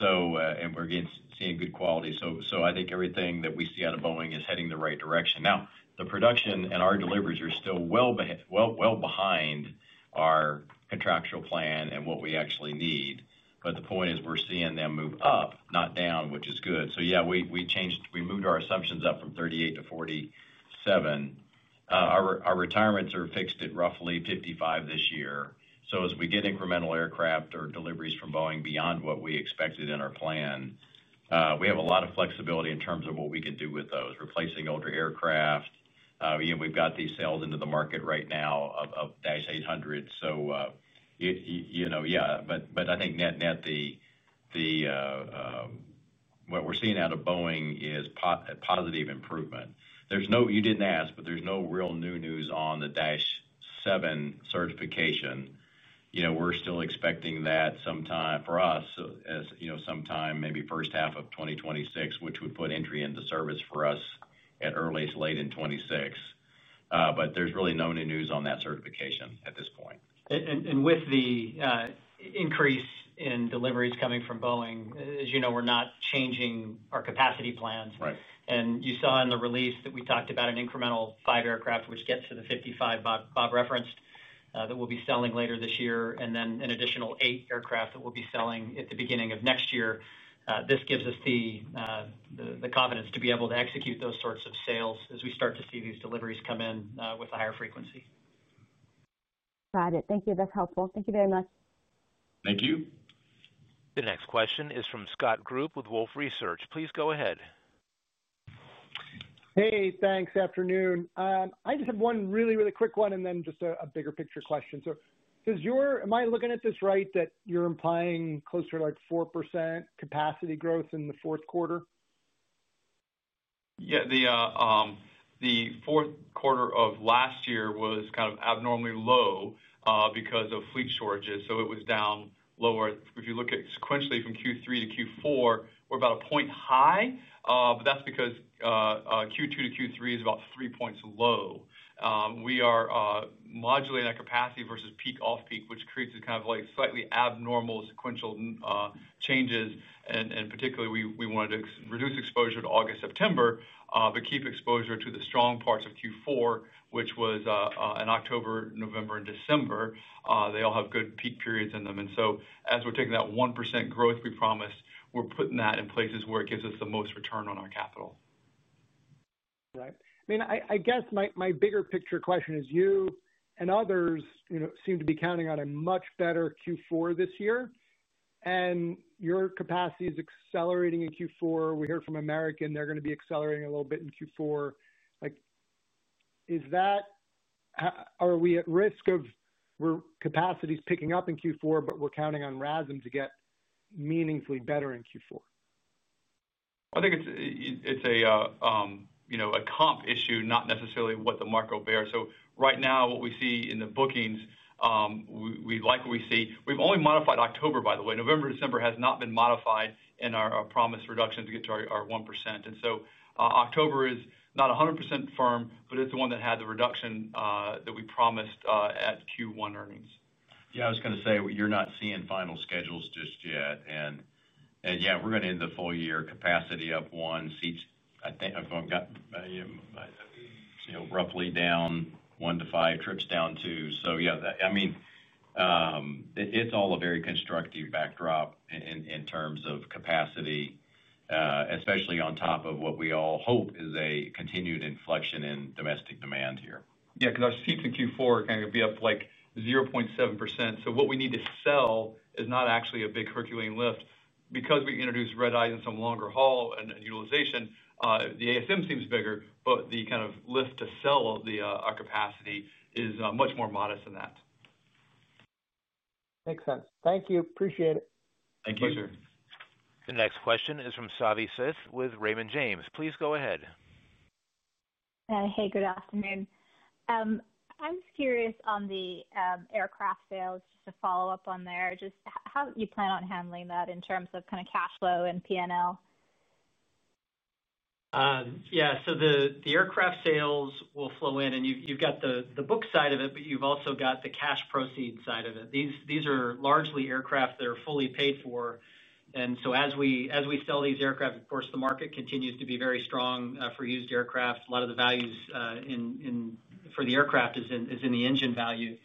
We're seeing good quality. I think everything that we see out of Boeing is heading the right direction. The production and our deliveries are still well behind our contractual plan and what we actually need. The point is we're seeing them move up, not down, which is good. Yeah, we moved our assumptions up from 38 to 47. Our retirements are fixed at roughly 55 this year. As we get incremental aircraft or deliveries from Boeing beyond what we expected in our plan, we have a lot of flexibility in terms of what we can do with those, replacing older aircraft. We've got these sales into the market right now of -800. Yeah. I think net-net, what we're seeing out of Boeing is positive improvement. You didn't ask, but there's no real new news on the -7 certification. We're still expecting that sometime for us, sometime maybe first half of 2026, which would put entry into service for us at earliest late in 2026. There's really no new news on that certification at this point. With the increase in deliveries coming from Boeing, as you know, we're not changing our capacity plans. You saw in the release that we talked about an incremental five aircraft, which gets to the 55 Bob referenced, that we'll be selling later this year, and then an additional eight aircraft that we'll be selling at the beginning of next year. This gives us the confidence to be able to execute those sorts of sales as we start to see these deliveries come in with a higher frequency. Got it. Thank you. That's helpful. Thank you very much. Thank you. The next question is from Scott Group with Wolfe Research. Please go ahead. Hey, thanks. Afternoon. I just have one really, really quick one and then just a bigger picture question. Am I looking at this right that you're implying closer to like 4% capacity growth in the fourth quarter? Yeah. The fourth quarter of last year was kind of abnormally low because of fleet shortages. It was down lower. If you look at sequentially from Q3 to Q4, we're about a point high. That's because Q2 to Q3 is about three points low. We are modulating our capacity versus peak-off-peak, which creates kind of slightly abnormal sequential changes. Particularly, we wanted to reduce exposure to August, September, but keep exposure to the strong parts of Q4, which was in October, November, and December. They all have good peak periods in them. As we're taking that 1% growth we promised, we're putting that in places where it gives us the most return on our capital. Right. I mean, I guess my bigger picture question is you and others seem to be counting on a much better Q4 this year. And your capacity is accelerating in Q4. We heard from American, they're going to be accelerating a little bit in Q4. Are we at risk of capacity is picking up in Q4, but we're counting on RASM to get meaningfully better in Q4? I think it's a comp issue, not necessarily what the market will bear. Right now, what we see in the bookings, we like what we see. We've only modified October, by the way. November, December has not been modified in our promised reduction to get to our 1%. October is not 100% firm, but it's the one that had the reduction that we promised at Q1 earnings. Yeah, I was going to say you're not seeing final schedules just yet. Yeah, we're going to end the full year capacity up 1. I think I've got roughly down one to five trips down too. Yeah, I mean, it's all a very constructive backdrop in terms of capacity, especially on top of what we all hope is a continued inflection in domestic demand here. Yeah, because our seats in Q4 kind of be up like 0.7%. What we need to sell is not actually a big herculean lift. Because we introduced redeyes and some longer haul and utilization, the ASM seems bigger, but the kind of lift to sell our capacity is much more modest than that. Makes sense. Thank you. Appreciate it. Thank you. Pleasure. The next question is from Savi Syth with Raymond James. Please go ahead. Hey, good afternoon. I was curious on the aircraft sales, just to follow up on there, just how you plan on handling that in terms of kind of cash flow and P&L? Yeah. The aircraft sales will flow in, and you've got the book side of it, but you've also got the cash proceeds side of it. These are largely aircraft that are fully paid for. As we sell these aircraft, of course, the market continues to be very strong for used aircraft. A lot of the value for the aircraft is in the engine value.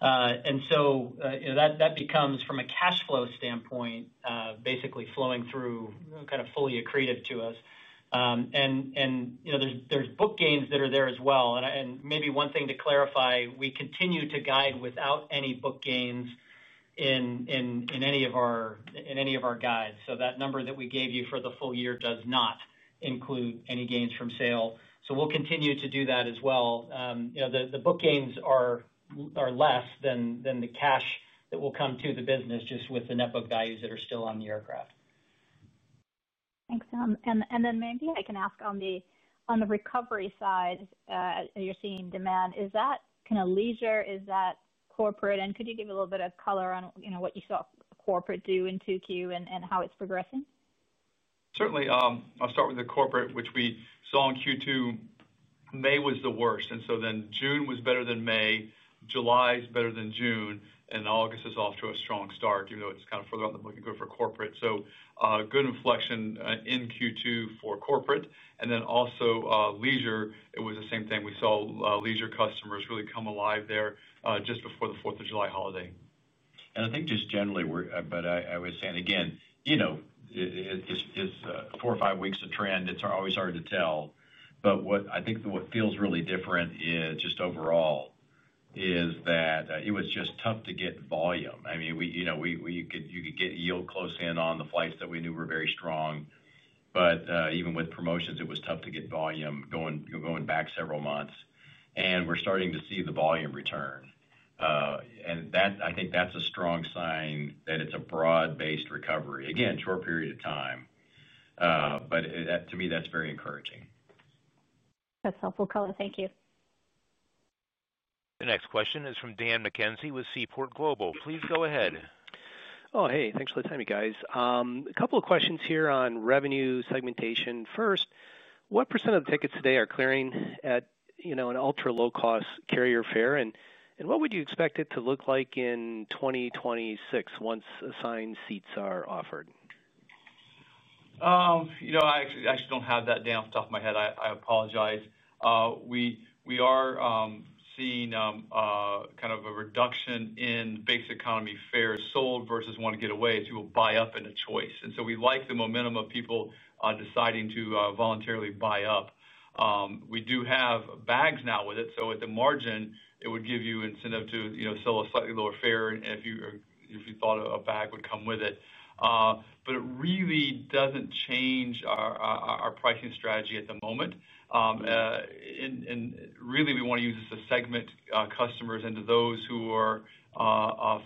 That becomes, from a cash flow standpoint, basically flowing through kind of fully accretive to us. There are book gains that are there as well. Maybe one thing to clarify, we continue to guide without any book gains in any of our guides. That number that we gave you for the full year does not include any gains from sale. We will continue to do that as well. The book gains are less than the cash that will come to the business just with the net book values that are still on the aircraft. Thanks, Tom. Maybe I can ask on the recovery side, you're seeing demand. Is that kind of leisure? Is that corporate? Could you give a little bit of color on what you saw corporate do in 2Q and how it's progressing? Certainly. I'll start with the corporate, which we saw in Q2. May was the worst. June was better than May. July is better than June. August is off to a strong start, even though it's kind of further out than looking good for corporate. Good inflection in Q2 for corporate. Also, leisure, it was the same thing. We saw leisure customers really come alive there just before the 4th of July holiday. I think just generally, but I would say, again, it's four or five weeks of trend. It's always hard to tell. I think what feels really different just overall is that it was just tough to get volume. I mean, you could get yield close in on the flights that we knew were very strong. Even with promotions, it was tough to get volume going back several months. We're starting to see the volume return. I think that's a strong sign that it's a broad-based recovery. Again, short period of time, but to me, that's very encouraging. That's helpful color. Thank you. The next question is from Dan McKenzie with Seaport Global. Please go ahead. Oh, hey. Thanks for the time, you guys. A couple of questions here on revenue segmentation. First, what percent of the tickets today are clearing at an ultra-low-cost carrier fare? What would you expect it to look like in 2026 once assigned seats are offered? I actually do not have that down off the top of my head. I apologize. We are seeing kind of a reduction in basic economy fares sold versus want to get away. You will buy up into choice, and we like the momentum of people deciding to voluntarily buy up. We do have bags now with it, so at the margin, it would give you incentive to sell a slightly lower fare if you thought a bag would come with it. It really does not change our pricing strategy at the moment. Really, we want to use this to segment customers into those who are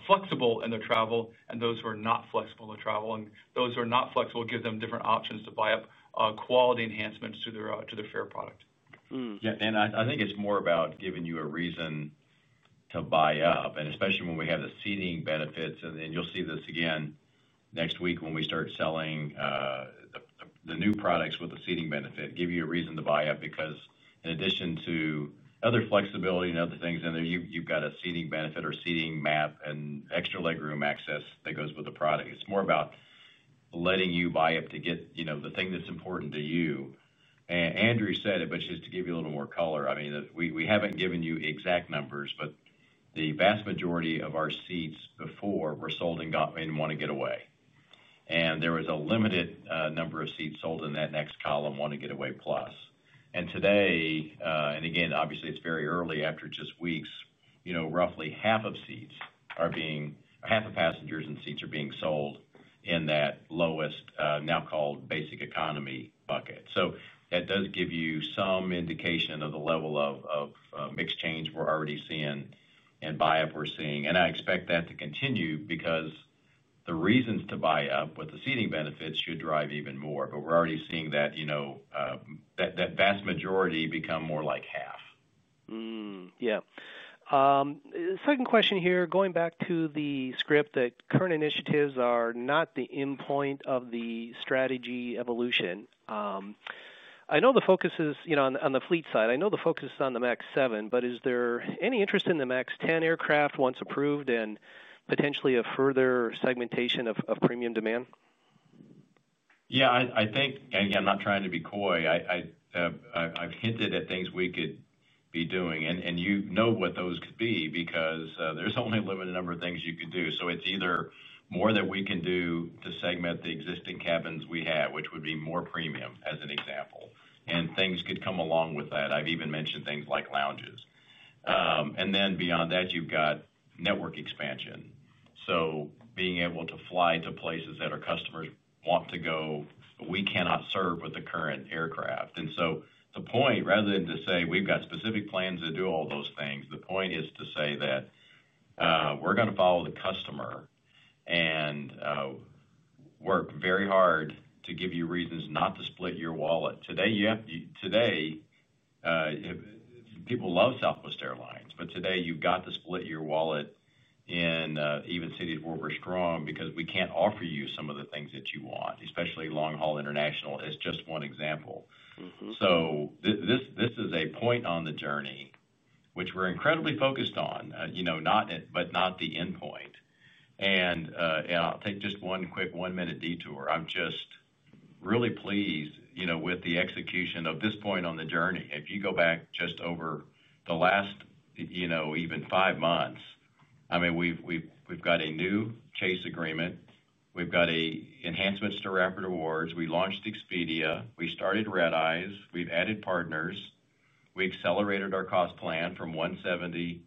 flexible in their travel and those who are not flexible in their travel. Those who are not flexible, give them different options to buy up quality enhancements to their fare product. Yeah. I think it is more about giving you a reason to buy up. Especially when we have the seating benefits. You will see this again next week when we start selling. The new products with the seating benefit give you a reason to buy up because in addition to other flexibility and other things in there, you have got a seating benefit or seating map and extra legroom access that goes with the product. It is more about letting you buy up to get the thing that is important to you. Andrew said it, but just to give you a little more color, I mean, we have not given you exact numbers, but the vast majority of our seats before were sold in Wanna Get Away. There was a limited number of seats sold in that next column, Wanna Get Away Plus. Today, and obviously, it is very early after just weeks, roughly half of seats are being, half of passengers and seats are being sold in that lowest, now called basic economy bucket. That does give you some indication of the level of exchange we are already seeing and buy up we are seeing. I expect that to continue because the reasons to buy up with the seating benefits should drive even more. We are already seeing that vast majority become more like half. Yeah. Second question here, going back to the script that current initiatives are not the endpoint of the strategy evolution. I know the focus is on the fleet side. I know the focus is on the MAX 7, but is there any interest in the MAX 10 aircraft once approved and potentially a further segmentation of premium demand? Yeah. Again, I'm not trying to be coy. I've hinted at things we could be doing. You know what those could be because there's only a limited number of things you could do. It's either more that we can do to segment the existing cabins we have, which would be more premium, as an example. Things could come along with that. I've even mentioned things like lounges. Beyond that, you've got network expansion. Being able to fly to places that our customers want to go, we cannot serve with the current aircraft. The point, rather than to say we've got specific plans to do all those things, is to say that we're going to follow the customer and work very hard to give you reasons not to split your wallet. Today, people love Southwest Airlines, but today you've got to split your wallet in even cities where we're strong because we can't offer you some of the things that you want, especially long-haul international. It's just one example. This is a point on the journey, which we're incredibly focused on, but not the endpoint. I'll take just one quick one-minute detour. I'm just really pleased with the execution of this point on the journey. If you go back just over the last even five months, I mean, we've got a new Chase agreement. We've got enhancements to Rapid Rewards. We launched Expedia. We started redeyes. We've added partners. We accelerated our cost plan from $170 million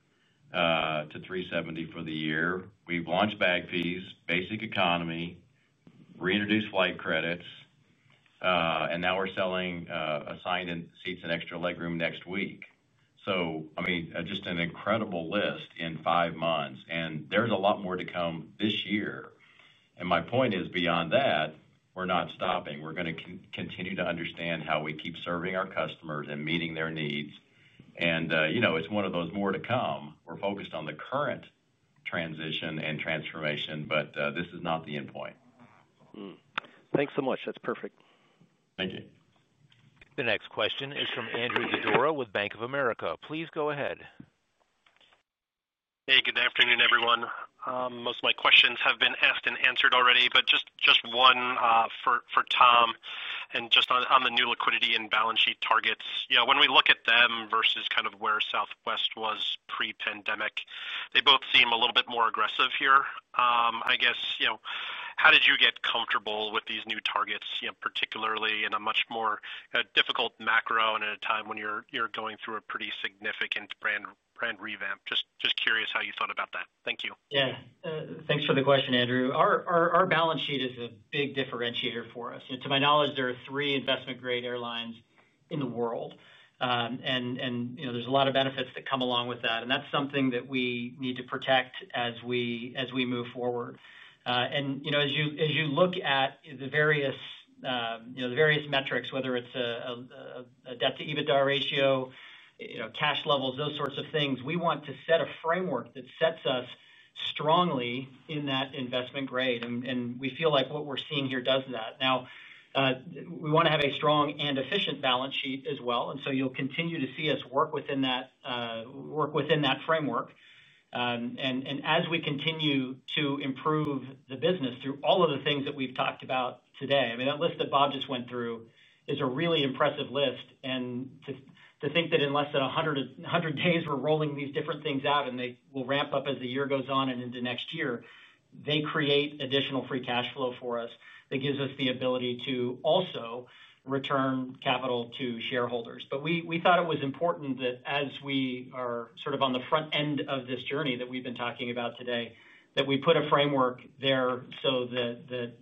to $370 million for the year. We've launched bag fees, basic economy, reintroduced flight credits. Now we're selling assigned seats and extra legroom next week. I mean, just an incredible list in five months. There's a lot more to come this year. My point is beyond that, we're not stopping. We're going to continue to understand how we keep serving our customers and meeting their needs. It's one of those more to come. We're focused on the current transition and transformation, but this is not the endpoint. Thanks so much. That's perfect. Thank you. The next question is from Andrew Didora with Bank of America. Please go ahead. Hey, good afternoon, everyone. Most of my questions have been asked and answered already, but just one for Tom. Just on the new liquidity and balance sheet targets, when we look at them versus kind of where Southwest was pre-pandemic, they both seem a little bit more aggressive here. I guess, how did you get comfortable with these new targets, particularly in a much more difficult macro and at a time when you're going through a pretty significant brand revamp? Just curious how you thought about that. Thank you. Yeah. Thanks for the question, Andrew. Our balance sheet is a big differentiator for us. To my knowledge, there are three investment-grade airlines in the world. And there's a lot of benefits that come along with that. That's something that we need to protect as we move forward. As you look at the various metrics, whether it's a debt-to-EBITDA ratio, cash levels, those sorts of things, we want to set a framework that sets us strongly in that investment grade. We feel like what we're seeing here does that. Now, we want to have a strong and efficient balance sheet as well. You'll continue to see us work within that framework. As we continue to improve the business through all of the things that we've talked about today, I mean, that list that Bob just went through is a really impressive list. To think that in less than 100 days, we're rolling these different things out, and they will ramp up as the year goes on and into next year, they create additional free cash flow for us that gives us the ability to also return capital to shareholders. We thought it was important that as we are sort of on the front end of this journey that we've been talking about today, that we put a framework there so that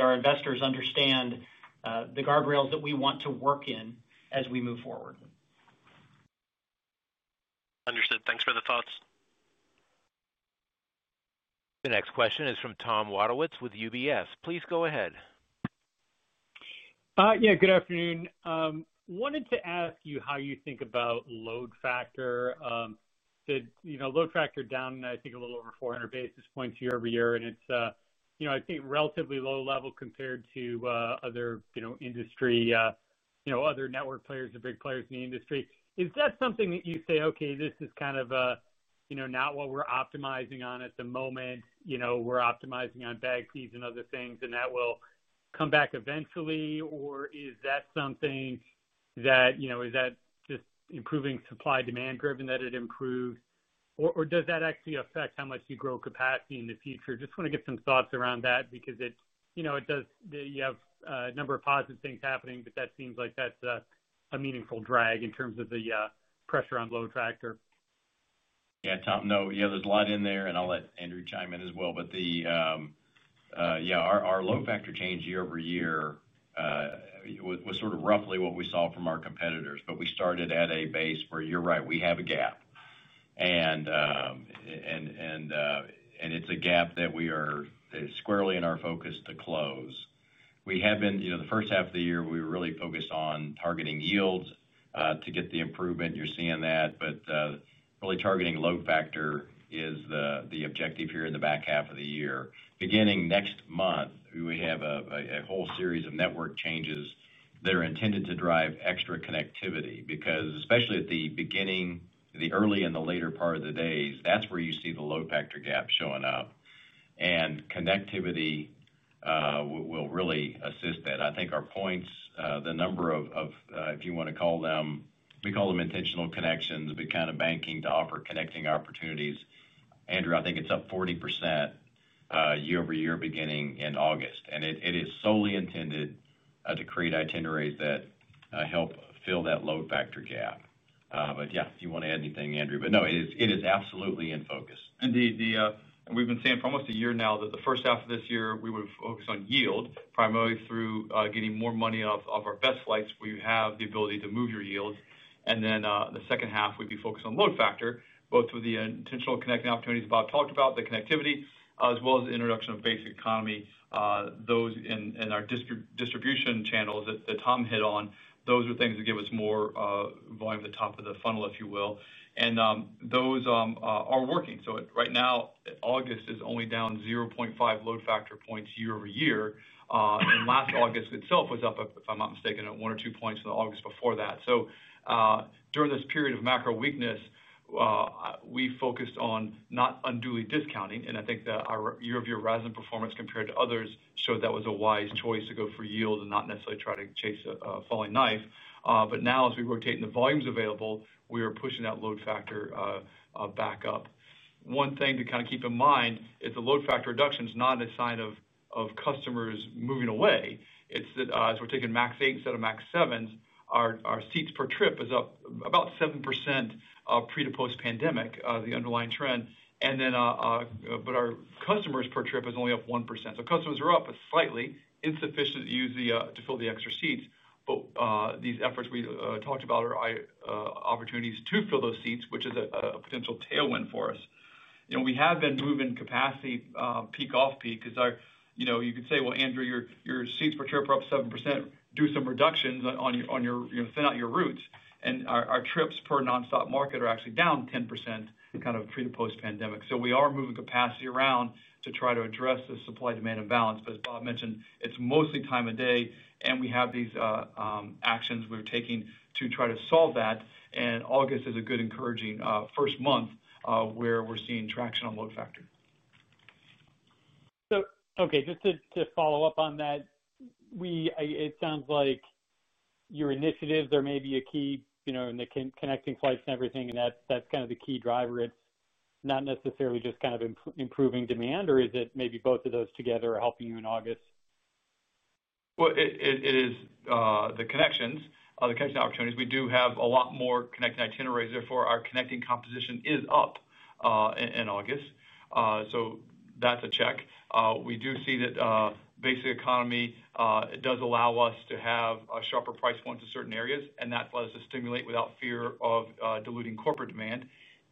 our investors understand the guardrails that we want to work in as we move forward. Understood. Thanks for the thoughts. The next question is from Tom Wadewitz with UBS. Please go ahead. Yeah. Good afternoon. Wanted to ask you how you think about load factor. Load factor down, I think, a little over 400 basis points year-over-year, and it's, I think, relatively low level compared to other industry, other network players, the big players in the industry. Is that something that you say, "Okay, this is kind of. Not what we're optimizing on at the moment"? We're optimizing on bag fees and other things, and that will come back eventually. Or is that something that is that just improving supply-demand driven that it improves? Or does that actually affect how much you grow capacity in the future? Just want to get some thoughts around that because it does you have a number of positive things happening, but that seems like that's a meaningful drag in terms of the pressure on load factor. Yeah, Tom, no. Yeah, there's a lot in there, and I'll let Andrew chime in as well. Our load factor change year-over-year was sort of roughly what we saw from our competitors. We started at a base where you're right, we have a gap. It's a gap that we are squarely in our focus to close. We have been, the first half of the year, we were really focused on targeting yields to get the improvement. You're seeing that. Really targeting load factor is the objective here in the back half of the year. Beginning next month, we have a whole series of network changes that are intended to drive extra connectivity because especially at the beginning, the early and the later part of the days, that's where you see the load factor gap showing up. Connectivity will really assist that. I think our points, the number of, if you want to call them, we call them intentional connections, but kind of banking to offer connecting opportunities. Andrew, I think it's up 40% year-over-year beginning in August. It is solely intended to create itineraries that help fill that load factor gap. If you want to add anything, Andrew. It is absolutely in focus. We have been saying for almost a year now that the first half of this year, we would focus on yield primarily through getting more money off of our best flights where you have the ability to move your yields. In the second half, we would be focused on load factor, both with the intentional connecting opportunities Bob talked about, the connectivity, as well as the introduction of basic economy. Those in our distribution channels that Tom hit on, those are things that give us more volume at the top of the funnel, if you will. Those are working. Right now, August is only down 0.5 load factor points year-over-year. Last August itself was up, if I'm not mistaken, at one or two points in the August before that. During this period of macro weakness, we focused on not unduly discounting. I think that our year-over-year rise in performance compared to others showed that was a wise choice to go for yield and not necessarily try to chase a falling knife. Now, as we rotate in the volumes available, we are pushing that load factor back up. One thing to kind of keep in mind is the load factor reduction is not a sign of customers moving away. It is that as we're taking MAX 8 instead of MAX 7s, our seats per trip is up about 7% pre to post-pandemic, the underlying trend. Our customers per trip is only up 1%. Customers are up, but slightly insufficient to fill the extra seats. These efforts we talked about are opportunities to fill those seats, which is a potential tailwind for us. We have been moving capacity peak off peak because you could say, "Andrew, your seats per trip are up 7%. Do some reductions on your send out your routes." Our trips per nonstop market are actually down 10% kind of pre to post-pandemic. We are moving capacity around to try to address the supply-demand imbalance. As Bob mentioned, it is mostly time of day, and we have these actions we are taking to try to solve that. August is a good encouraging first month where we are seeing traction on load factor. Just to follow up on that, it sounds like your initiatives, there may be a key in the connecting flights and everything, and that is kind of the key driver. It is not necessarily just kind of improving demand, or is it maybe both of those together are helping you in August? It is the connections, the connection opportunities. We do have a lot more connecting itineraries. Therefore, our connecting composition is up in August. That is a check. We do see that basic economy does allow us to have sharper price points in certain areas, and that lets us stimulate without fear of diluting corporate demand.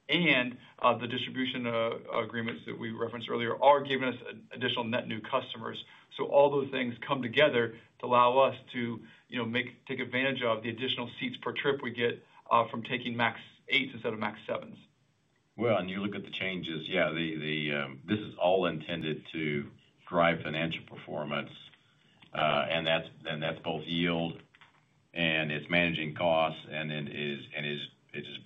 The distribution agreements that we referenced earlier are giving us additional net new customers. All those things come together to allow us to take advantage of the additional seats per trip we get from taking MAX 8s instead of MAX 7s. You look at the changes, yeah, this is all intended to drive financial performance. That's both yield, it's managing costs, and it is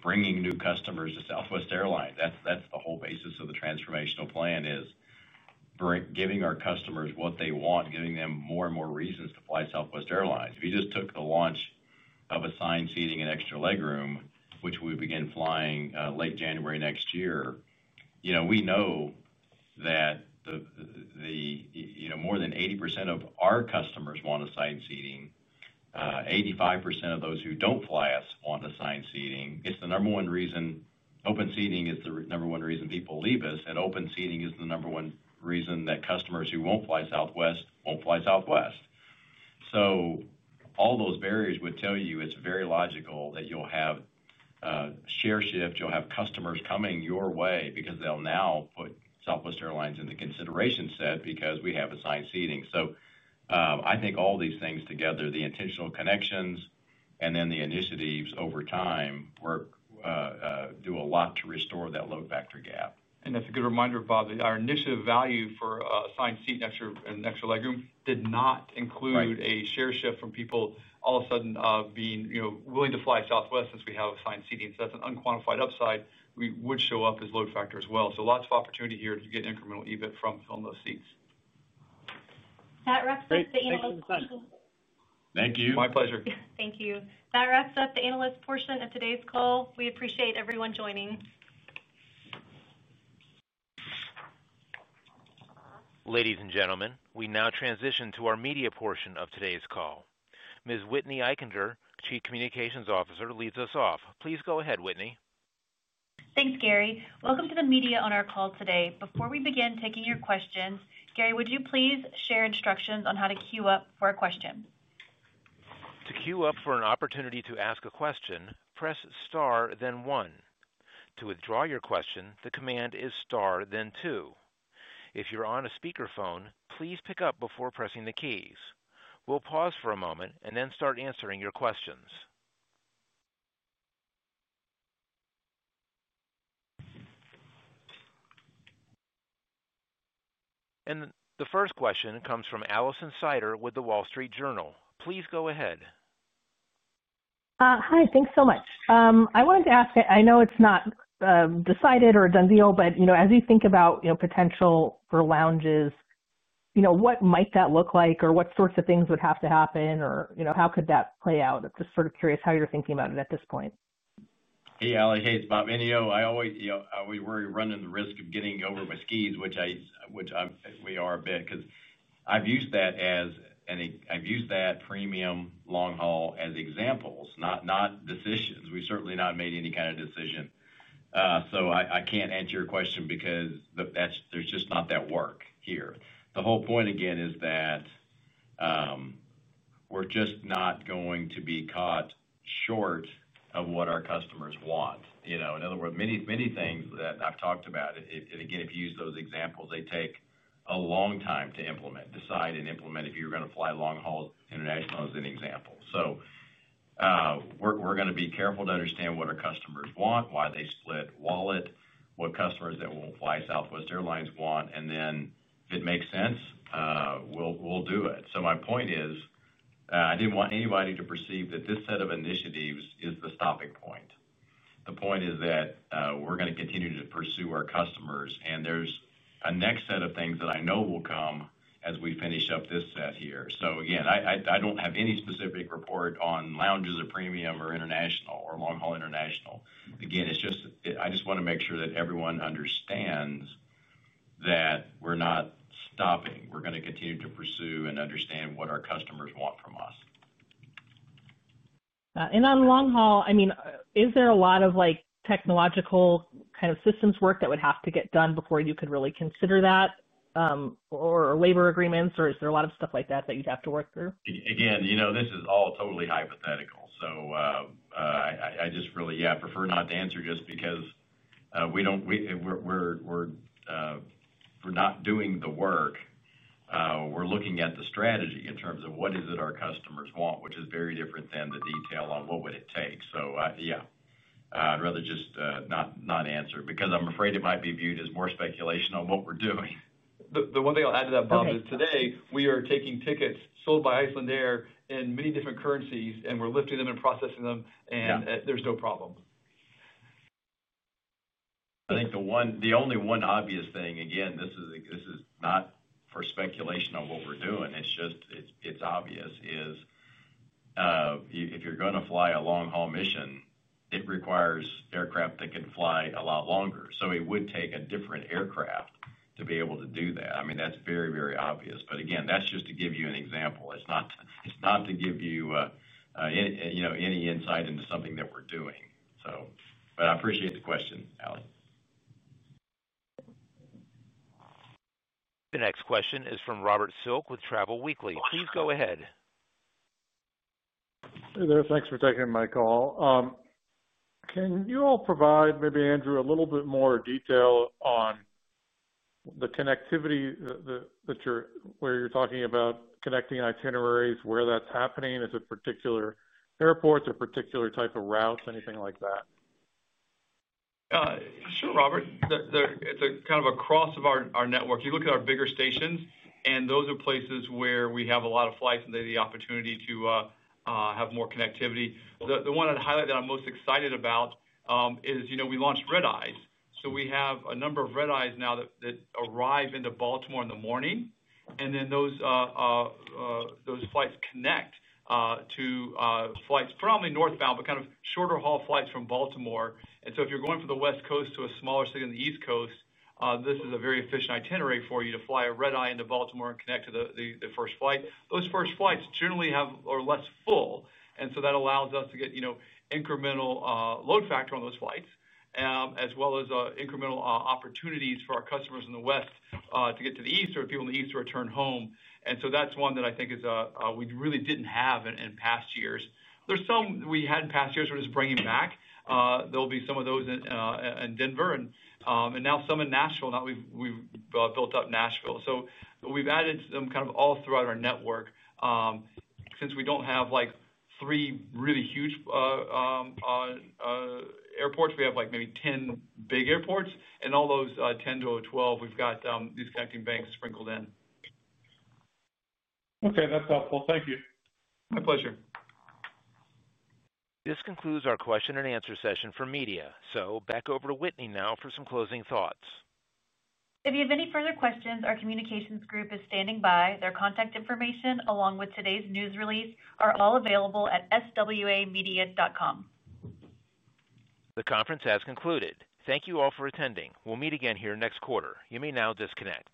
bringing new customers to Southwest Airlines. That's the whole basis of the transformational plan. Giving our customers what they want, giving them more and more reasons to fly Southwest Airlines. If you just took the launch of assigned seating and extra legroom, which we would begin flying late January next year, we know that more than 80% of our customers want assigned seating. 85% of those who don't fly us want assigned seating. It's the number one reason open seating is the number one reason people leave us, and open seating is the number one reason that customers who won't fly Southwest won't fly Southwest. All those barriers would tell you it's very logical that you'll have share shift. You'll have customers coming your way because they'll now put Southwest Airlines in the consideration set because we have assigned seating. I think all these things together, the intentional connections, and then the initiatives over time do a lot to restore that load factor gap. That is a good reminder, Bob, that our initiative value for assigned seat and extra legroom did not include a share shift from people all of a sudden being willing to fly Southwest since we have assigned seating. That is an unquantified upside. It would show up as load factor as well. Lots of opportunity here to get incremental EBIT from filling those seats. That wraps up the analyst portion. Thank you. My pleasure. Thank you. That wraps up the analyst portion of today's call. We appreciate everyone joining. Ladies and gentlemen, we now transition to our media portion of today's call. Ms. Whitney Eichinger, Chief Communications Officer, leads us off. Please go ahead, Whitney. Thanks, Gary. Welcome to the media on our call today. Before we begin taking your questions, Gary, would you please share instructions on how to queue up for a question? To queue up for an opportunity to ask a question, press star, then one. To withdraw your question, the command is star, then two. If you're on a speakerphone, please pick up before pressing the keys. We'll pause for a moment and then start answering your questions. The first question comes from Allison Sider with The Wall Street Journal. Please go ahead. Hi, thanks so much. I wanted to ask, I know it's not decided or a done deal, but as you think about potential for lounges, what might that look like or what sorts of things would have to happen or how could that play out? Just sort of curious how you're thinking about it at this point. Yeah, like hey, it's Bob. I always worry running the risk of getting over my skis, which we are a bit because I've used that as an, I've used that premium long haul as examples, not decisions. We've certainly not made any kind of decision. I can't answer your question because there's just not that work here. The whole point again is that we're just not going to be caught short of what our customers want. In other words, many things that I've talked about, and again, if you use those examples, they take a long time to implement, decide, and implement if you're going to fly long-haul international as an example. We're going to be careful to understand what our customers want, why they split wallet, what customers that won't fly Southwest Airlines want, and then if it makes sense, we'll do it. My point is I didn't want anybody to perceive that this set of initiatives is the stopping point. The point is that we're going to continue to pursue our customers, and there's a next set of things that I know will come as we finish up this set here. Again, I don't have any specific report on lounges or premium or international or long-haul international. Again, I just want to make sure that everyone understands that we're not stopping. We're going to continue to pursue and understand what our customers want from us. On long haul, I mean, is there a lot of technological kind of systems work that would have to get done before you could really consider that? Or labor agreements, or is there a lot of stuff like that that you'd have to work through? Again, this is all totally hypothetical. I just really, yeah, prefer not to answer just because we don't. We're not doing the work. We're looking at the strategy in terms of what is it our customers want, which is very different than the detail on what would it take. I’d rather just not answer because I'm afraid it might be viewed as more speculation on what we're doing. The one thing I'll add to that, Bob, is today we are taking tickets sold by Icelandair in many different currencies, and we're lifting them and processing them, and there's no problem. I think the only one obvious thing, again, this is not for speculation on what we're doing. It's just it's obvious. If you're going to fly a long-haul mission, it requires aircraft that can fly a lot longer. It would take a different aircraft to be able to do that. I mean, that's very, very obvious. Again, that's just to give you an example. It's not to give you any insight into something that we're doing. I appreciate the question, Allie. The next question is from Robert Silk with Travel Weekly. Please go ahead. Hey there, thanks for taking my call. Can you all provide, maybe Andrew, a little bit more detail on the connectivity that you're where you're talking about connecting itineraries, where that's happening? Is it particular airports or particular type of routes, anything like that? Sure, Robert. It's a kind of a cross of our network. You look at our bigger stations, and those are places where we have a lot of flights and they have the opportunity to have more connectivity. The one I'd highlight that I'm most excited about is we launched redeyes. We have a number of redeyes now that arrive into Baltimore in the morning, and then those flights connect to flights predominantly northbound, but kind of shorter haul flights from Baltimore. If you're going from the West Coast to a smaller city on the East Coast, this is a very efficient itinerary for you to fly a redeye into Baltimore and connect to the first flight. Those first flights generally are less full, and that allows us to get incremental load factor on those flights, as well as incremental opportunities for our customers in the West to get to the East or people in the East to return home. That's one that I think is we really didn't have in past years. There are some we had in past years we're just bringing back. There will be some of those in Denver and now some in Nashville. Now we've built up Nashville. We've added some kind of all throughout our network. Since we don't have three really huge airports, we have maybe 10 big airports, and all those 10 to 12, we've got these connecting banks sprinkled in. Okay, that's helpful. Thank you. My pleasure. This concludes our question-and-answer session for media. So back over to Whitney now for some closing thoughts. If you have any further questions, our communications group is standing by. Their contact information, along with today's news release, are all available at swamedia.com. The conference has concluded. Thank you all for attending. We'll meet again here next quarter. You may now disconnect.